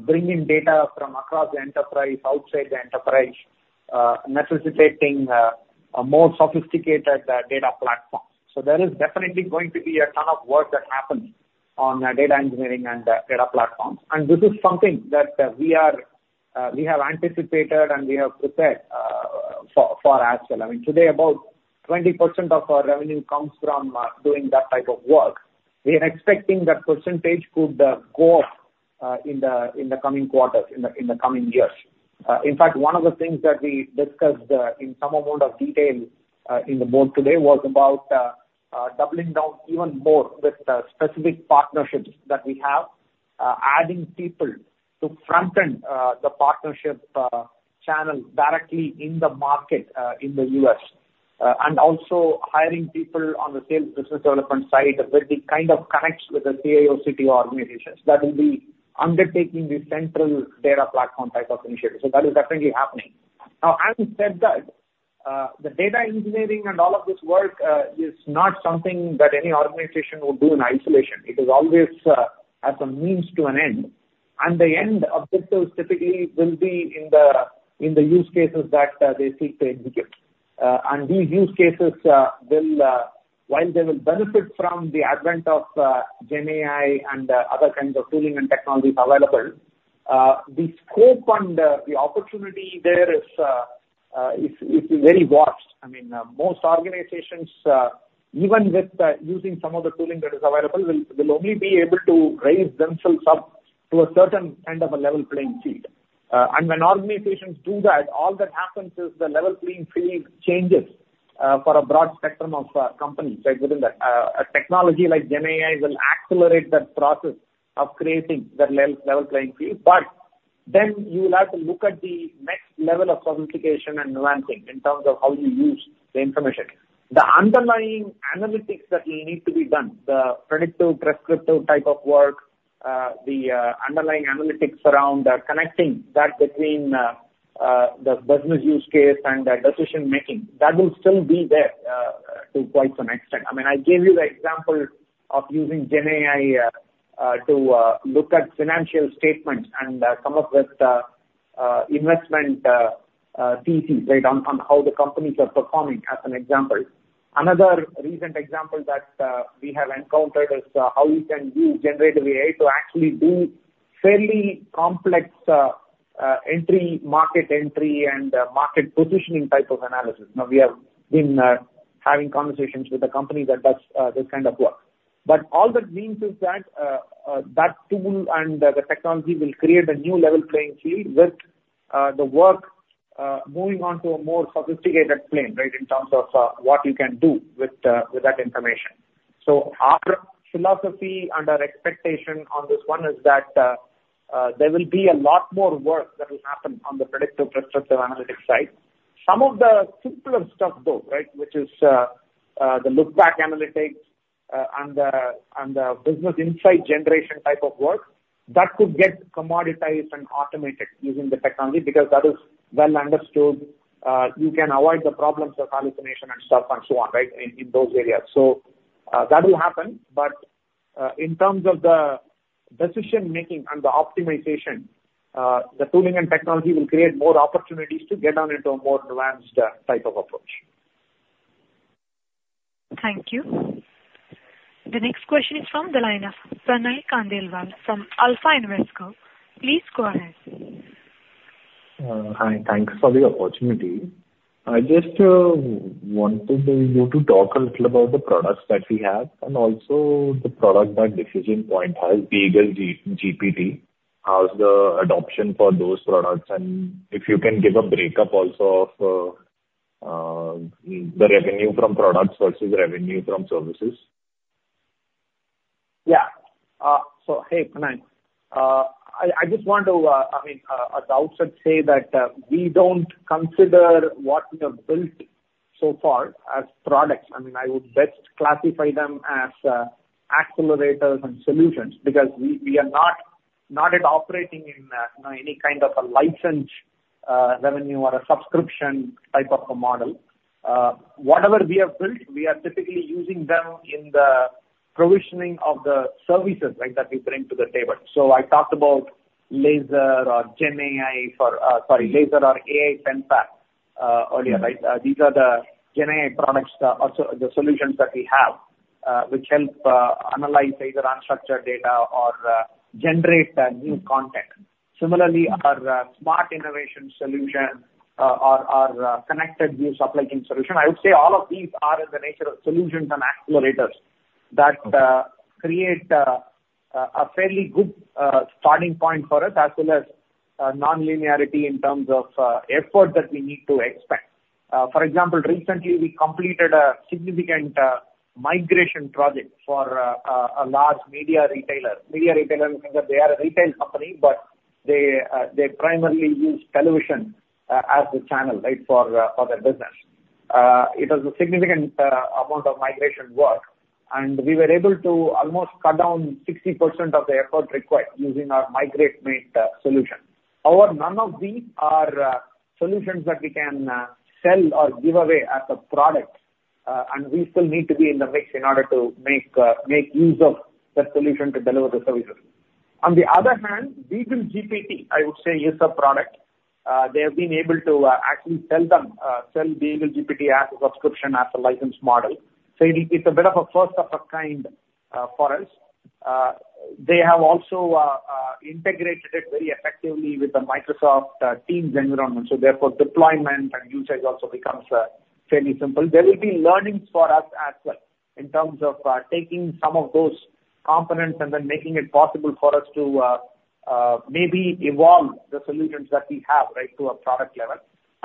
bring in data from across the enterprise, outside the enterprise, necessitating a more sophisticated data platform. So there is definitely going to be a ton of work that happens on the data engineering and the data platform. And this is something that we are, we have anticipated, and we have prepared for as well. I mean, today, about 20% of our revenue comes from doing that type of work. We are expecting that percentage could go up in the coming quarters, in the coming years. In fact, one of the things that we discussed in some amount of detail in the board today was about doubling down even more with the specific partnerships that we have. Adding people to front end the partnership channel directly in the market in the US. And also hiring people on the sales business development side, where it kind of connects with the CIO, CTO organizations that will be undertaking the central data platform type of initiative. So that is definitely happening. Now, having said that, the data engineering and all of this work is not something that any organization would do in isolation. It is always as a means to an end... And the end objectives typically will be in the use cases that they seek to indicate. And these use cases, while they will benefit from the advent of GenAI and other kinds of tooling and technologies available, the scope and the opportunity there is very vast. I mean, most organizations, even with using some of the tooling that is available, will only be able to raise themselves up to a certain kind of a level playing field. And when organizations do that, all that happens is the level playing field changes for a broad spectrum of companies, right? Within a technology like GenAI will accelerate that process of creating the level playing field. But then you will have to look at the next level of sophistication and advancing in terms of how you use the information. The underlying analytics that will need to be done, the predictive, prescriptive type of work, the underlying analytics around connecting that between the business use case and the decision making, that will still be there, to quite some extent. I mean, I gave you the example of using Gen AI to look at financial statements and come up with investment thesis, right? On how the companies are performing, as an example. Another recent example that we have encountered is how we can use generative AI to actually do fairly complex market entry and market positioning type of analysis. Now, we have been having conversations with a company that does this kind of work. But all that means is that that tool and the technology will create a new level playing field with the work moving on to a more sophisticated plane, right, in terms of what you can do with with that information. So our philosophy and our expectation on this one is that there will be a lot more work that will happen on the predictive, prescriptive analytics side. Some of the simpler stuff though, right, which is the look-back analytics and the, and the business insight generation type of work, that could get commoditized and automated using the technology, because that is well understood. You can avoid the problems of hallucination and stuff and so on, right, in in those areas. So, that will happen. But, in terms of the decision making and the optimization, the tooling and technology will create more opportunities to get on into a more advanced, type of approach. Thank you. The next question is from the line of Pranay Khandelwal from Alpha Alternatives. Please go ahead. Hi, thanks for the opportunity. I just wanted you to talk a little about the products that we have and also the product that Decision Point has, BeagleGPT. How's the adoption for those products? And if you can give a breakup also of the revenue from products versus revenue from services. Yeah. So hey, Pranay. I just want to, I mean, at the outset say that, we don't consider what we have built so far as products. I mean, I would best classify them as, accelerators and solutions, because we are not yet operating in, you know, any kind of a license, revenue or a subscription type of a model. Whatever we have built, we are typically using them in the provisioning of the services, right, that we bring to the table. So I talked about LASER or GenAI for, sorry, LASER or AI Penpal, earlier, right? These are the GenAI products, also the solutions that we have, which help, analyze either unstructured data or, generate, new content. Similarly, our SmartInnovation solution, our ConnectedView supply chain solution, I would say all of these are in the nature of solutions and accelerators that create a fairly good starting point for us, as well as nonlinearity in terms of effort that we need to expend. For example, recently we completed a significant migration project for a large media retailer. Media retailer means that they are a retail company, but they primarily use television as the channel, right, for their business. It was a significant amount of migration work, and we were able to almost cut down 60% of the effort required using our MigrateMate solution. However, none of these are solutions that we can sell or give away as a product, and we still need to be in the mix in order to make use of the solution to deliver the services. On the other hand, BeagleGPT, I would say, is a product. They have been able to actually sell them, sell BeagleGPT as a subscription, as a license model. So it, it's a bit of a first of a kind for us. They have also integrated it very effectively with the Microsoft Teams environment, so therefore deployment and usage also becomes fairly simple. There will be learnings for us as well in terms of, taking some of those components and then making it possible for us to, maybe evolve the solutions that we have, right, to a product level.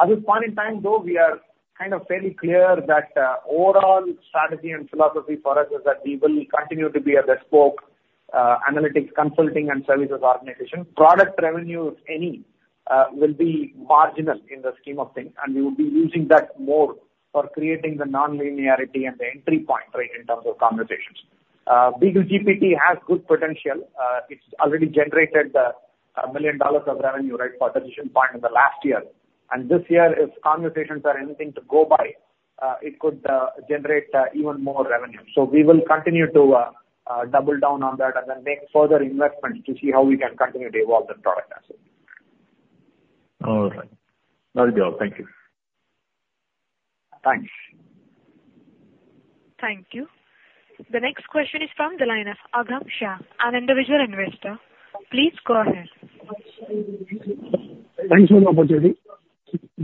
At this point in time, though, we are kind of fairly clear that, overall strategy and philosophy for us is that we will continue to be a bespoke, analytics consulting and services organization. Product revenue, if any, will be marginal in the scheme of things, and we will be using that more for creating the nonlinearity and the entry point, right, in terms of conversations. BeagleGPT has good potential. It's already generated, $1 million of revenue, right, for Decision Point in the last year. And this year, if conversations are anything to go by, it could generate, even more revenue. So we will continue to double down on that and then make further investments to see how we can continue to evolve the product as well. All right. That will be all. Thank you. Thanks. Thank you. The next question is from the line of Agam Shah, an individual investor. Please go ahead. Thanks for the opportunity.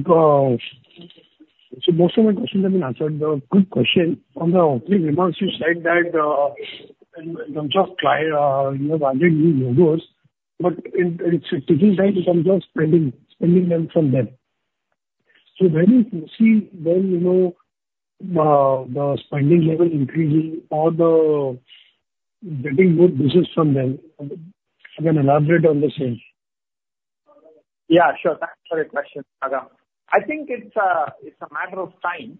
So most of my questions have been answered. Quick question, on the opening remarks, you said that, in terms of client, you have added new logos, but it's taking time to convert spending from them. So when you foresee, when you know, the spending level increasing or getting good business from them, can you elaborate on the same? Yeah, sure. Thanks for the question, Agam. I think it's a, it's a matter of time.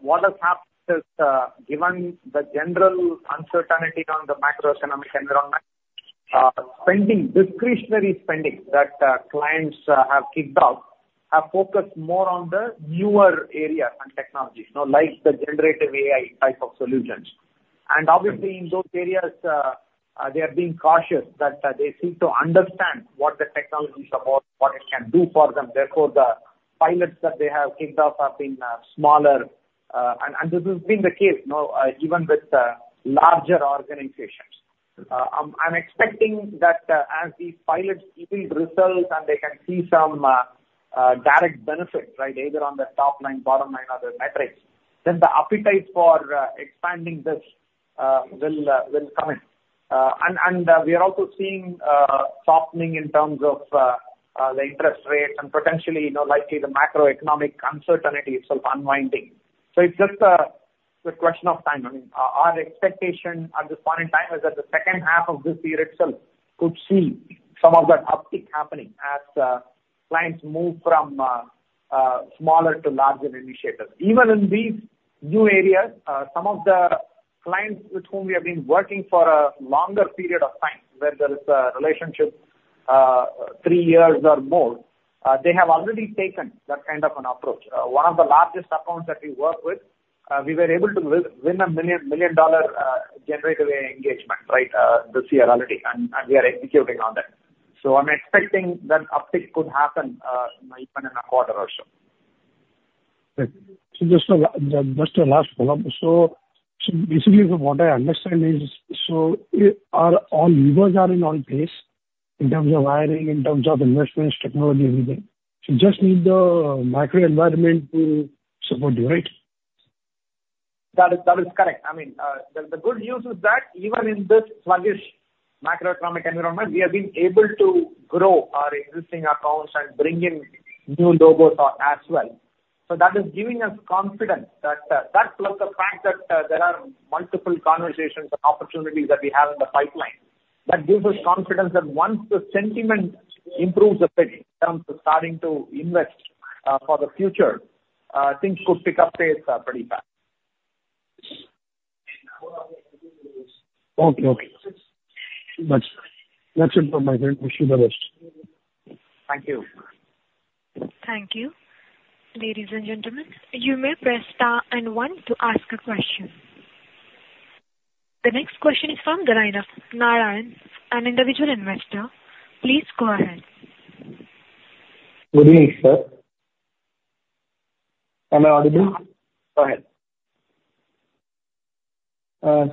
What has happened is, given the general uncertainty around the macroeconomic environment, spending, discretionary spending, that, clients, have kicked off, have focused more on the newer areas and technologies, you know, like the generative AI type of solutions. And obviously, in those areas, they are being cautious that, they seem to understand what the technology is about, what it can do for them. Therefore, the pilots that they have kicked off have been, smaller, and, and this has been the case, you know, even with, larger organizations. I'm expecting that as these pilots yield results and they can see some direct benefits, right, either on the top line, bottom line, or the metrics, then the appetite for expanding this will come in. And we are also seeing softening in terms of the interest rates and potentially, you know, likely the macroeconomic uncertainty itself unwinding. So it's just a question of time. I mean, our expectation at this point in time is that the second half of this year itself could see some of that uptick happening as clients move from smaller to larger initiatives. Even in these new areas, some of the clients with whom we have been working for a longer period of time, where there is a relationship, three years or more, they have already taken that kind of an approach. One of the largest accounts that we work with, we were able to win a $1 million generative AI engagement, right, this year already, and we are executing on that. So I'm expecting that uptick could happen, even in a quarter or so. Great. So just a last follow-up. So basically from what I understand is, all levers are on pace in terms of hiring, in terms of investments, technology, everything. You just need the macro environment to support you, right? That is, that is correct. I mean, the good news is that even in this sluggish macroeconomic environment, we have been able to grow our existing accounts and bring in new logos, as well. So that is giving us confidence that, that plus the fact that, there are multiple conversations and opportunities that we have in the pipeline, that gives us confidence that once the sentiment improves a bit in terms of starting to invest, for the future, things could pick up pace, pretty fast. Okay. Okay. That's, that's it from my end. Wish you the best. Thank you. Thank you. Ladies and gentlemen, you may press star and one to ask a question. The next question is from the line of Narayan, an individual investor. Please go ahead. Good evening, sir. Am I audible? Go ahead.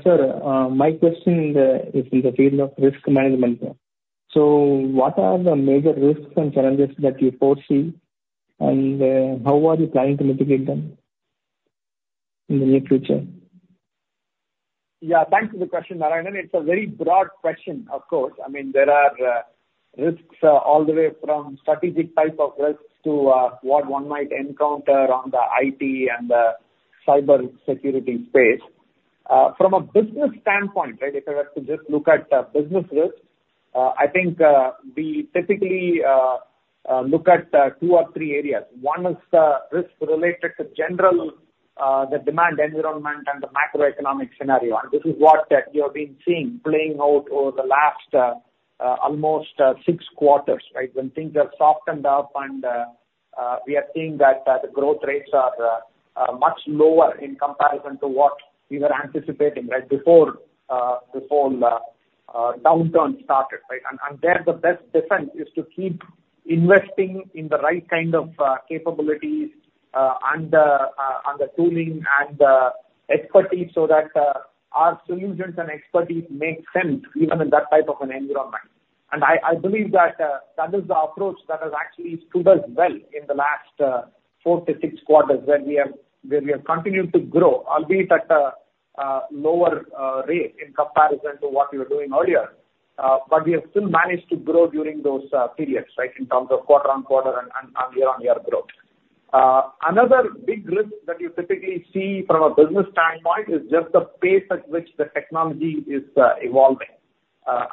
Sir, my question is in the field of risk management. So what are the major risks and challenges that you foresee, and how are you planning to mitigate them in the near future? Yeah, thanks for the question, Narayan. It's a very broad question, of course. I mean, there are risks all the way from strategic type of risks to what one might encounter on the IT and the cybersecurity space. From a business standpoint, right, if I were to just look at business risks, I think we typically look at two or three areas. One is the risk related to general the demand environment and the macroeconomic scenario, and this is what we have been seeing playing out over the last almost six quarters, right? When things have softened up and we are seeing that the growth rates are much lower in comparison to what we were anticipating, right, before the downturn started, right? There, the best defense is to keep investing in the right kind of capabilities, and the tooling and the expertise so that our solutions and expertise make sense even in that type of an environment. And I believe that that is the approach that has actually stood us well in the last 4-6 quarters, where we have continued to grow, albeit at a lower rate in comparison to what we were doing earlier. But we have still managed to grow during those periods, right, in terms of quarter-over-quarter and year-over-year growth. Another big risk that you typically see from a business standpoint is just the pace at which the technology is evolving,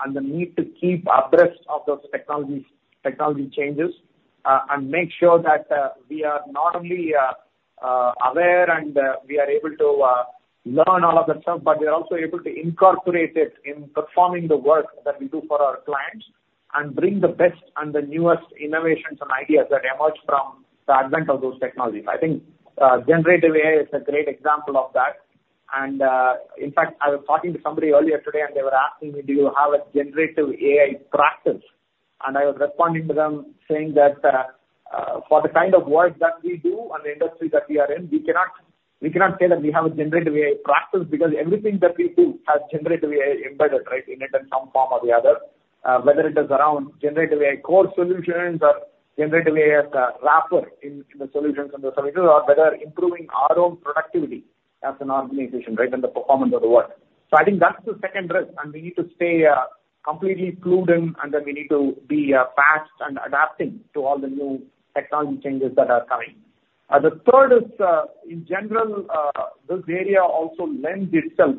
and the need to keep abreast of those technologies, technology changes, and make sure that we are not only aware and we are able to learn all of that stuff, but we are also able to incorporate it in performing the work that we do for our clients... and bring the best and the newest innovations and ideas that emerge from the advent of those technologies. I think generative AI is a great example of that. And, in fact, I was talking to somebody earlier today, and they were asking me: Do you have a generative AI practice? I was responding to them, saying that, for the kind of work that we do and the industry that we are in, we cannot say that we have a generative AI practice, because everything that we do has generative AI embedded, right, in it in some form or the other. Whether it is around generative AI core solutions or generative AI as a wrapper in the solutions and the services, or whether improving our own productivity as an organization, right, and the performance of the work. So I think that's the second risk, and we need to stay completely clued in, and then we need to be fast and adapting to all the new technology changes that are coming. The third is, in general, this area also lends itself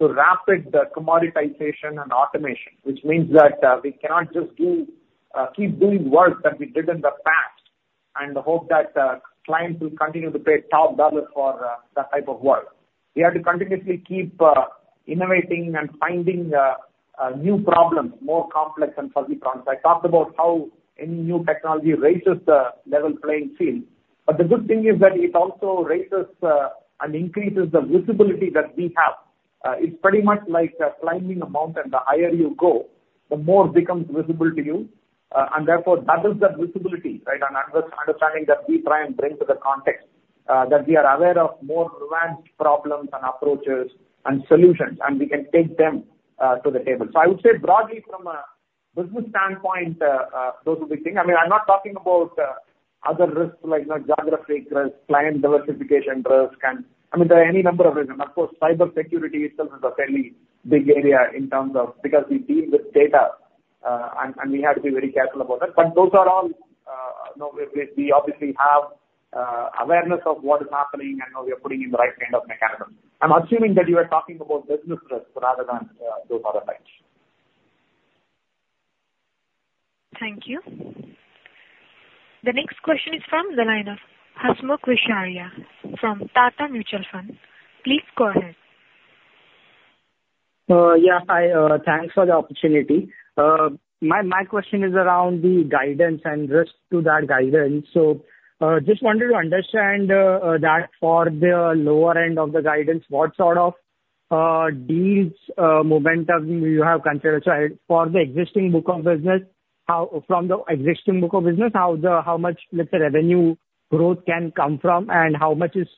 to rapid commoditization and automation, which means that we cannot just keep doing work that we did in the past and hope that clients will continue to pay top dollar for that type of work. We have to continuously keep innovating and finding new problems, more complex and fuzzy problems. I talked about how any new technology raises the level playing field, but the good thing is that it also raises and increases the visibility that we have. It's pretty much like climbing a mountain. The higher you go, the more becomes visible to you and therefore doubles that visibility, right? Understanding that we try and bring to the context, that we are aware of more nuanced problems and approaches and solutions, and we can take them to the table. So I would say broadly from a business standpoint, those are the things. I mean, I'm not talking about other risks, like geographic risk, client diversification risk, and, I mean, there are any number of reasons. Of course, cybersecurity itself is a fairly big area in terms of... Because we deal with data, and we have to be very careful about that. But those are all, you know, we obviously have awareness of what is happening, and now we are putting in the right kind of mechanisms. I'm assuming that you are talking about business risk rather than those other types. Thank you. The next question is from the line of Hasmukh Visharia from Tata Mutual Fund. Please go ahead. Yeah, hi, thanks for the opportunity. My question is around the guidance and risk to that guidance. So, just wanted to understand that for the lower end of the guidance, what sort of deal momentum you have considered? So for the existing book of business, from the existing book of business, how much of the revenue growth can come from, and how much is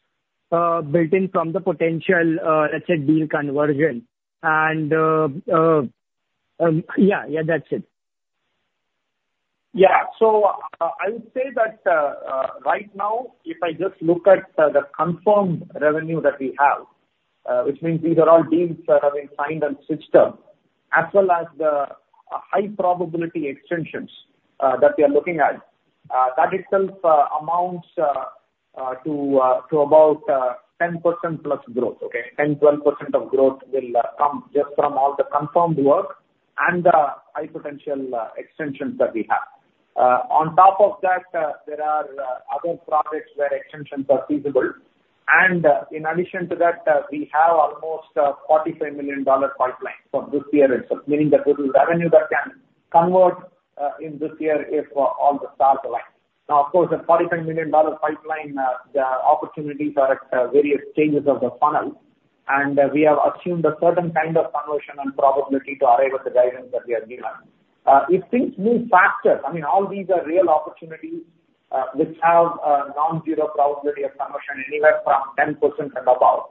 built in from the potential, let's say, deal conversion? Yeah, yeah, that's it. Yeah. So I would say that right now, if I just look at the confirmed revenue that we have, which means these are all deals that have been signed and switched up, as well as the high probability extensions that we are looking at, that itself amounts to about 10%+ growth, okay? 10%-12% growth will come just from all the confirmed work and the high potential extensions that we have. On top of that, there are other projects where extensions are feasible, and in addition to that, we have almost $45 million pipeline for this year itself, meaning that this is revenue that can convert in this year if all the stars align. Now, of course, the $45 million pipeline, the opportunities are at various stages of the funnel, and we have assumed a certain kind of conversion and probability to arrive at the guidance that we have given. If things move faster, I mean, all these are real opportunities, which have a non-zero probability of conversion, anywhere from 10% and above.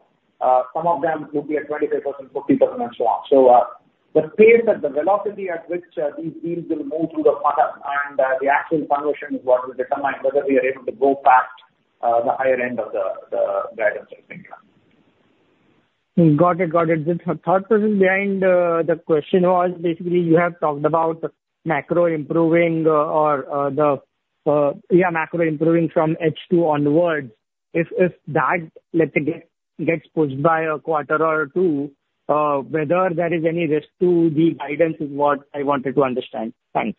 Some of them could be at 25%, 50%, and so on. So, the pace and the velocity at which these deals will move through the funnel and the actual conversion is what will determine whether we are able to go past the higher end of the guidance I think. Got it. Got it. The thought process behind the question was basically you have talked about macro improving from H2 onwards. If that, let's say, gets pushed by a quarter or two, whether there is any risk to the guidance is what I wanted to understand. Thanks.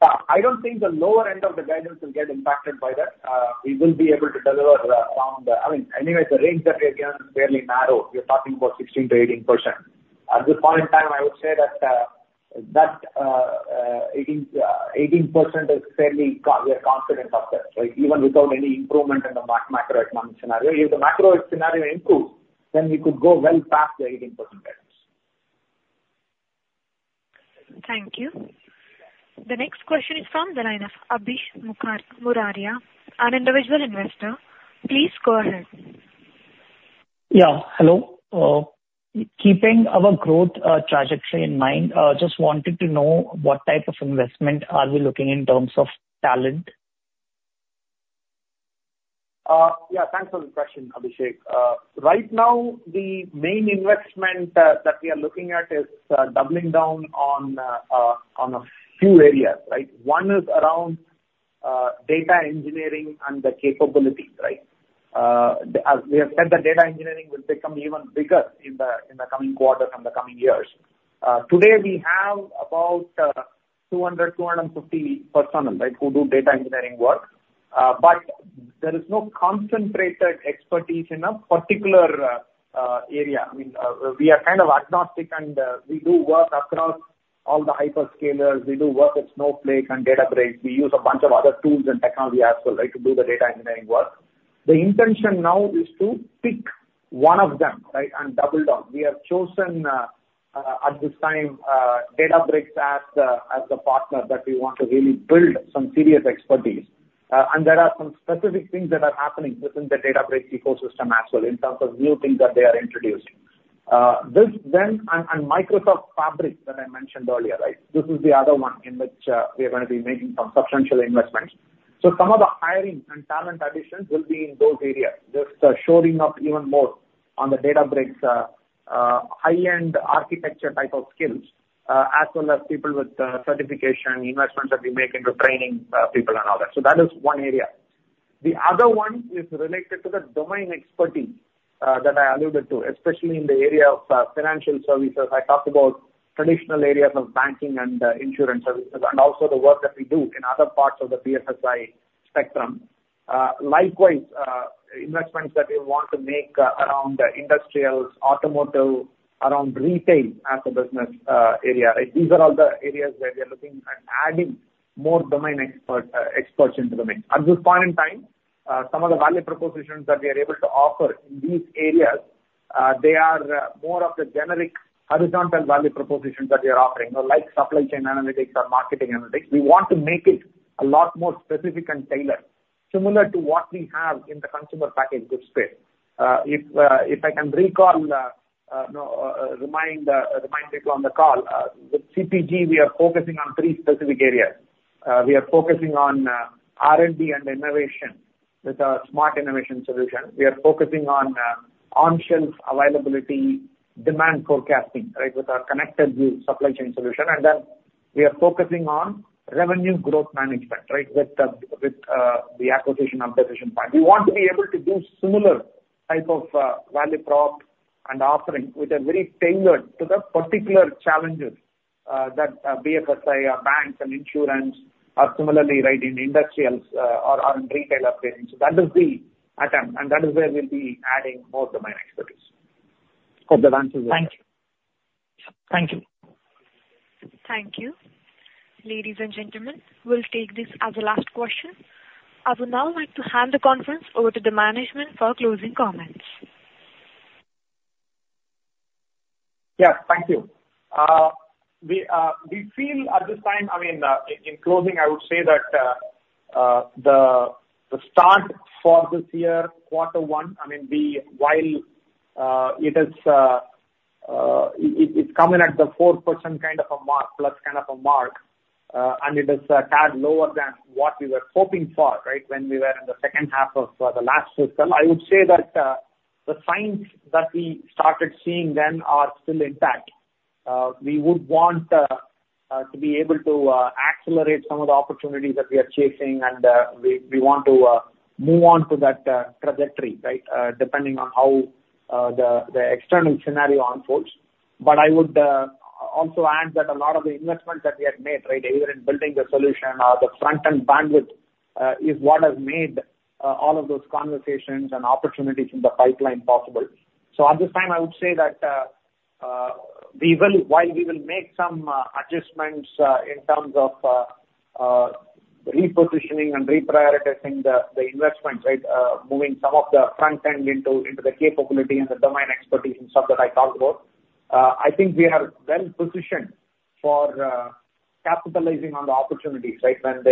I don't think the lower end of the guidance will get impacted by that. We will be able to deliver. I mean, anyways, the range that we are given is fairly narrow. We're talking about 16%-18%. At this point in time, I would say that that eighteen eighteen percent is fairly we are confident of that, right? Even without any improvement in the macro economic scenario. If the macro scenario improves, then we could go well past the 18% guidance. Thank you. The next question is from the line of Abhishek Murarka, an individual investor. Please go ahead. Yeah, hello. Keeping our growth trajectory in mind, just wanted to know what type of investment are we looking in terms of talent? Yeah, thanks for the question, Abhishek. Right now, the main investment that we are looking at is doubling down on a few areas, right? One is around data engineering and the capability, right? As we have said, the data engineering will become even bigger in the coming quarters and the coming years. Today, we have about 250 personnel, right, who do data engineering work, but there is no concentrated expertise in a particular area. I mean, we are kind of agnostic, and we do work across all the hyperscalers. We do work with Snowflake and Databricks. We use a bunch of other tools and technology as well, right, to do the data engineering work. The intention now is to pick one of them, right, and double down. We have chosen, at this time, Databricks as the, as the partner that we want to really build some serious expertise. There are some specific things that are happening within the Databricks ecosystem as well, in terms of new things that they are introducing. This then, and, and Microsoft Fabric that I mentioned earlier, right? This is the other one in which, we are gonna be making some substantial investments. Some of the hiring and talent additions will be in those areas, just shoring up even more on the Databricks, high-end architecture type of skills, as well as people with, certification, investments that we make into training, people and all that. That is one area. The other one is related to the domain expertise, that I alluded to, especially in the area of, financial services. I talked about traditional areas of banking and, insurance services, and also the work that we do in other parts of the BFSI spectrum. Likewise, investments that we want to make, around industrials, automotive, around retail as a business, area. These are all the areas where we are looking at adding more domain expert, experts into domain. At this point in time, some of the value propositions that we are able to offer in these areas, they are, more of the generic, horizontal value propositions that we are offering, or like supply chain analytics or marketing analytics. We want to make it a lot more specific and tailored, similar to what we have in the consumer packaged goods space. Remind people on the call, with CPG, we are focusing on three specific areas. We are focusing on R&D and innovation with our SmartInnovation solution. We are focusing on on-shelf availability, demand forecasting, right, with our ConnectedView supply chain solution. And then we are focusing on revenue growth management, right, with the acquisition of Decision Point. We want to be able to do similar type of value prop and offering, which are very tailored to the particular challenges that BFSI, banks and insurance are similarly right in industrials, or in retail operations. So that is the attempt, and that is where we'll be adding more domain expertise. Hope that answers your question. Thank you. Thank you. Thank you. Ladies and gentlemen, we'll take this as the last question. I would now like to hand the conference over to the management for closing comments. Yeah. Thank you. We feel at this time, I mean, in closing, I would say that the start for this year, quarter one, I mean, we—while it is, it's coming at the 4% kind of a mark, plus kind of a mark, and it is a tad lower than what we were hoping for, right? When we were in the second half of the last fiscal. I would say that the signs that we started seeing then are still intact. We would want to be able to accelerate some of the opportunities that we are chasing, and we want to move on to that trajectory, right? Depending on how the external scenario unfolds. But I would also add that a lot of the investments that we have made, right, either in building the solution or the front-end bandwidth, is what has made all of those conversations and opportunities in the pipeline possible. So at this time, I would say that we will, while we will make some adjustments in terms of repositioning and reprioritizing the investments, right? Moving some of the front-end into the capability and the domain expertise and stuff that I talked about. I think we are well positioned for capitalizing on the opportunities, right? When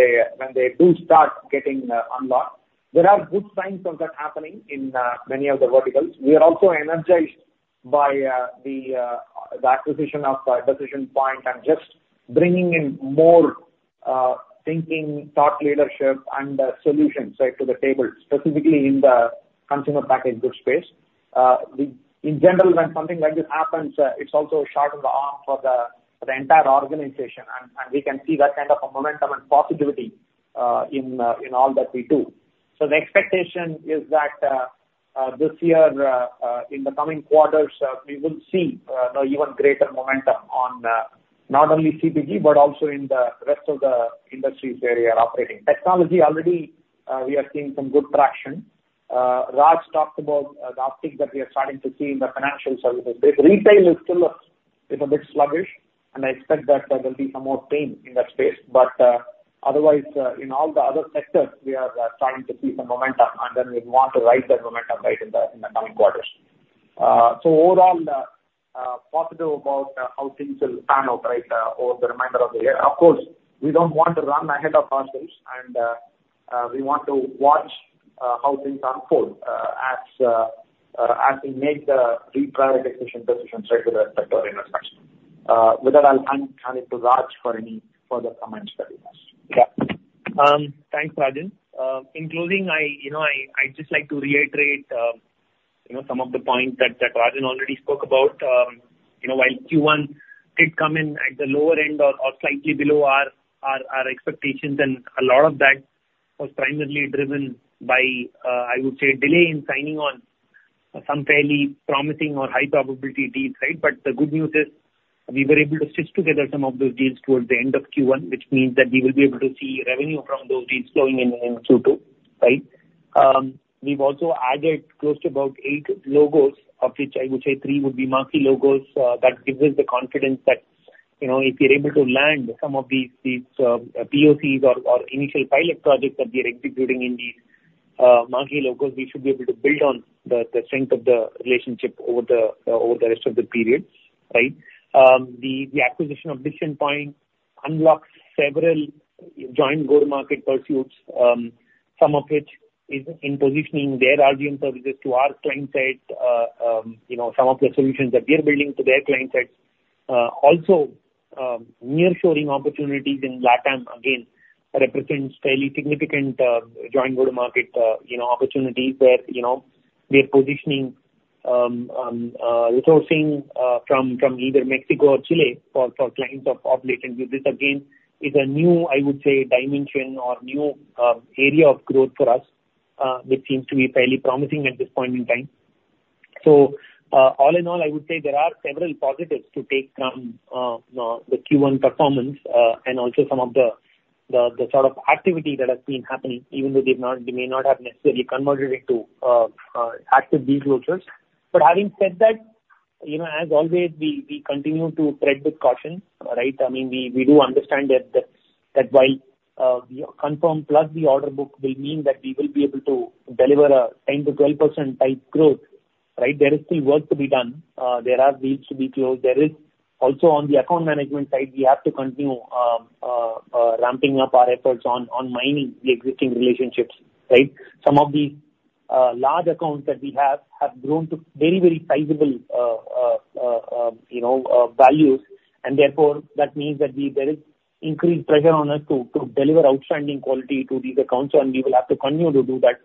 they do start getting unlocked. There are good signs of that happening in many of the verticals. We are also energized by the acquisition of Decision Point, and just bringing in more thinking, thought leadership and solutions, right, to the table, specifically in the consumer packaged goods space. In general, when something like this happens, it's also a shot in the arm for the entire organization, and we can see that kind of a momentum and positivity in all that we do. So the expectation is that this year, in the coming quarters, we will see, you know, even greater momentum on not only CPG, but also in the rest of the industries where we are operating. Technology already, we are seeing some good traction. Raj talked about the uptick that we are starting to see in the financial services. Retail is still a bit sluggish, and I expect that there will be some more pain in that space. But otherwise, in all the other sectors, we are starting to see some momentum, and then we want to ride the momentum, right, in the coming quarters. So overall, positive about how things will pan out, right, over the remainder of the year. Of course, we don't want to run ahead of ourselves, and we want to watch how things unfold, as we make the reprioritization decisions right with the sector investment. With that, I'll hand it to Raj for any further comments that he has. Yeah. Thanks, Rajan. In closing, I, you know, I'd just like to reiterate, you know, some of the points that Rajan already spoke about. You know, while Q1 did come in at the lower end or slightly below our expectations, and a lot of that was primarily driven by, I would say, delay in signing on some fairly promising or high probability deals, right? But the good news is, we were able to stitch together some of those deals towards the end of Q1, which means that we will be able to see revenue from those deals flowing in, in Q2, right? We've also added close to about eight logos, of which I would say three would be marquee logos. That gives us the confidence that, you know, if we are able to land some of these POCs or initial pilot projects that we are executing in these marquee logos, we should be able to build on the strength of the relationship over the rest of the period, right? The acquisition of Decision Point unlocks several joint go-to-market pursuits, some of which is in positioning their RGM services to our client side, you know, some of the solutions that we are building to their client side. Also, nearshoring opportunities in LatAm, again, represents fairly significant joint go-to-market, you know, opportunities where, you know, we are positioning resourcing from either Mexico or Chile for clients of LatentView. This, again, is a new, I would say, dimension or new area of growth for us, which seems to be fairly promising at this point in time. So, all in all, I would say there are several positives to take from the Q1 performance, and also some of the sort of activity that has been happening, even though they've not they may not have necessarily converted into active deal closures. But having said that, you know, as always, we continue to tread with caution, right? I mean, we do understand that while we are confirmed plus the order book will mean that we will be able to deliver a 10%-12% type growth, right, there is still work to be done. There are deals to be closed. There is also on the account management side, we have to continue ramping up our efforts on mining the existing relationships, right? Some of the large accounts that we have have grown to very, very sizable, you know, values, and therefore, that means that there is increased pressure on us to deliver outstanding quality to these accounts, and we will have to continue to do that,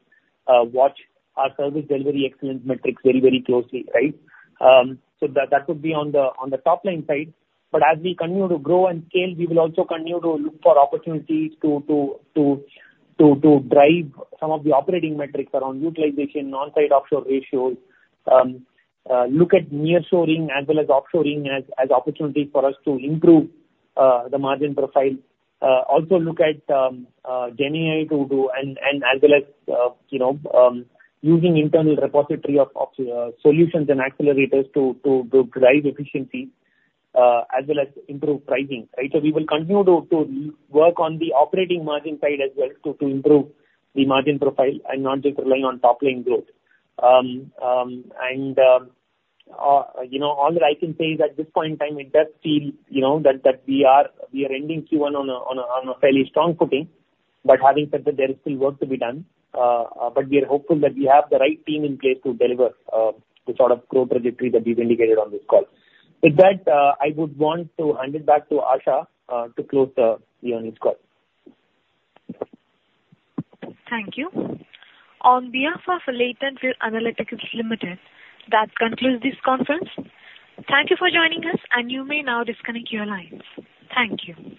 watch our service delivery excellence metrics very, very closely, right? So that would be on the top line side. But as we continue to grow and scale, we will also continue to look for opportunities to drive some of the operating metrics around utilization, on-site offshore ratios. Look at nearshoring as well as offshoring as opportunities for us to improve the margin profile. Also look at GenAI to do and as well as you know using internal repository of solutions and accelerators to drive efficiency as well as improve pricing, right? So we will continue to work on the operating margin side as well, to improve the margin profile and not just relying on top-line growth. And you know all that I can say is at this point in time, it does seem you know that we are ending Q1 on a fairly strong footing. But having said that, there is still work to be done. But we are hopeful that we have the right team in place to deliver the sort of growth trajectory that we've indicated on this call. With that, I would want to hand it back to Asha to close the earnings call. Thank you. On behalf of LatentView Analytics Limited, that concludes this conference. Thank you for joining us, and you may now disconnect your lines. Thank you.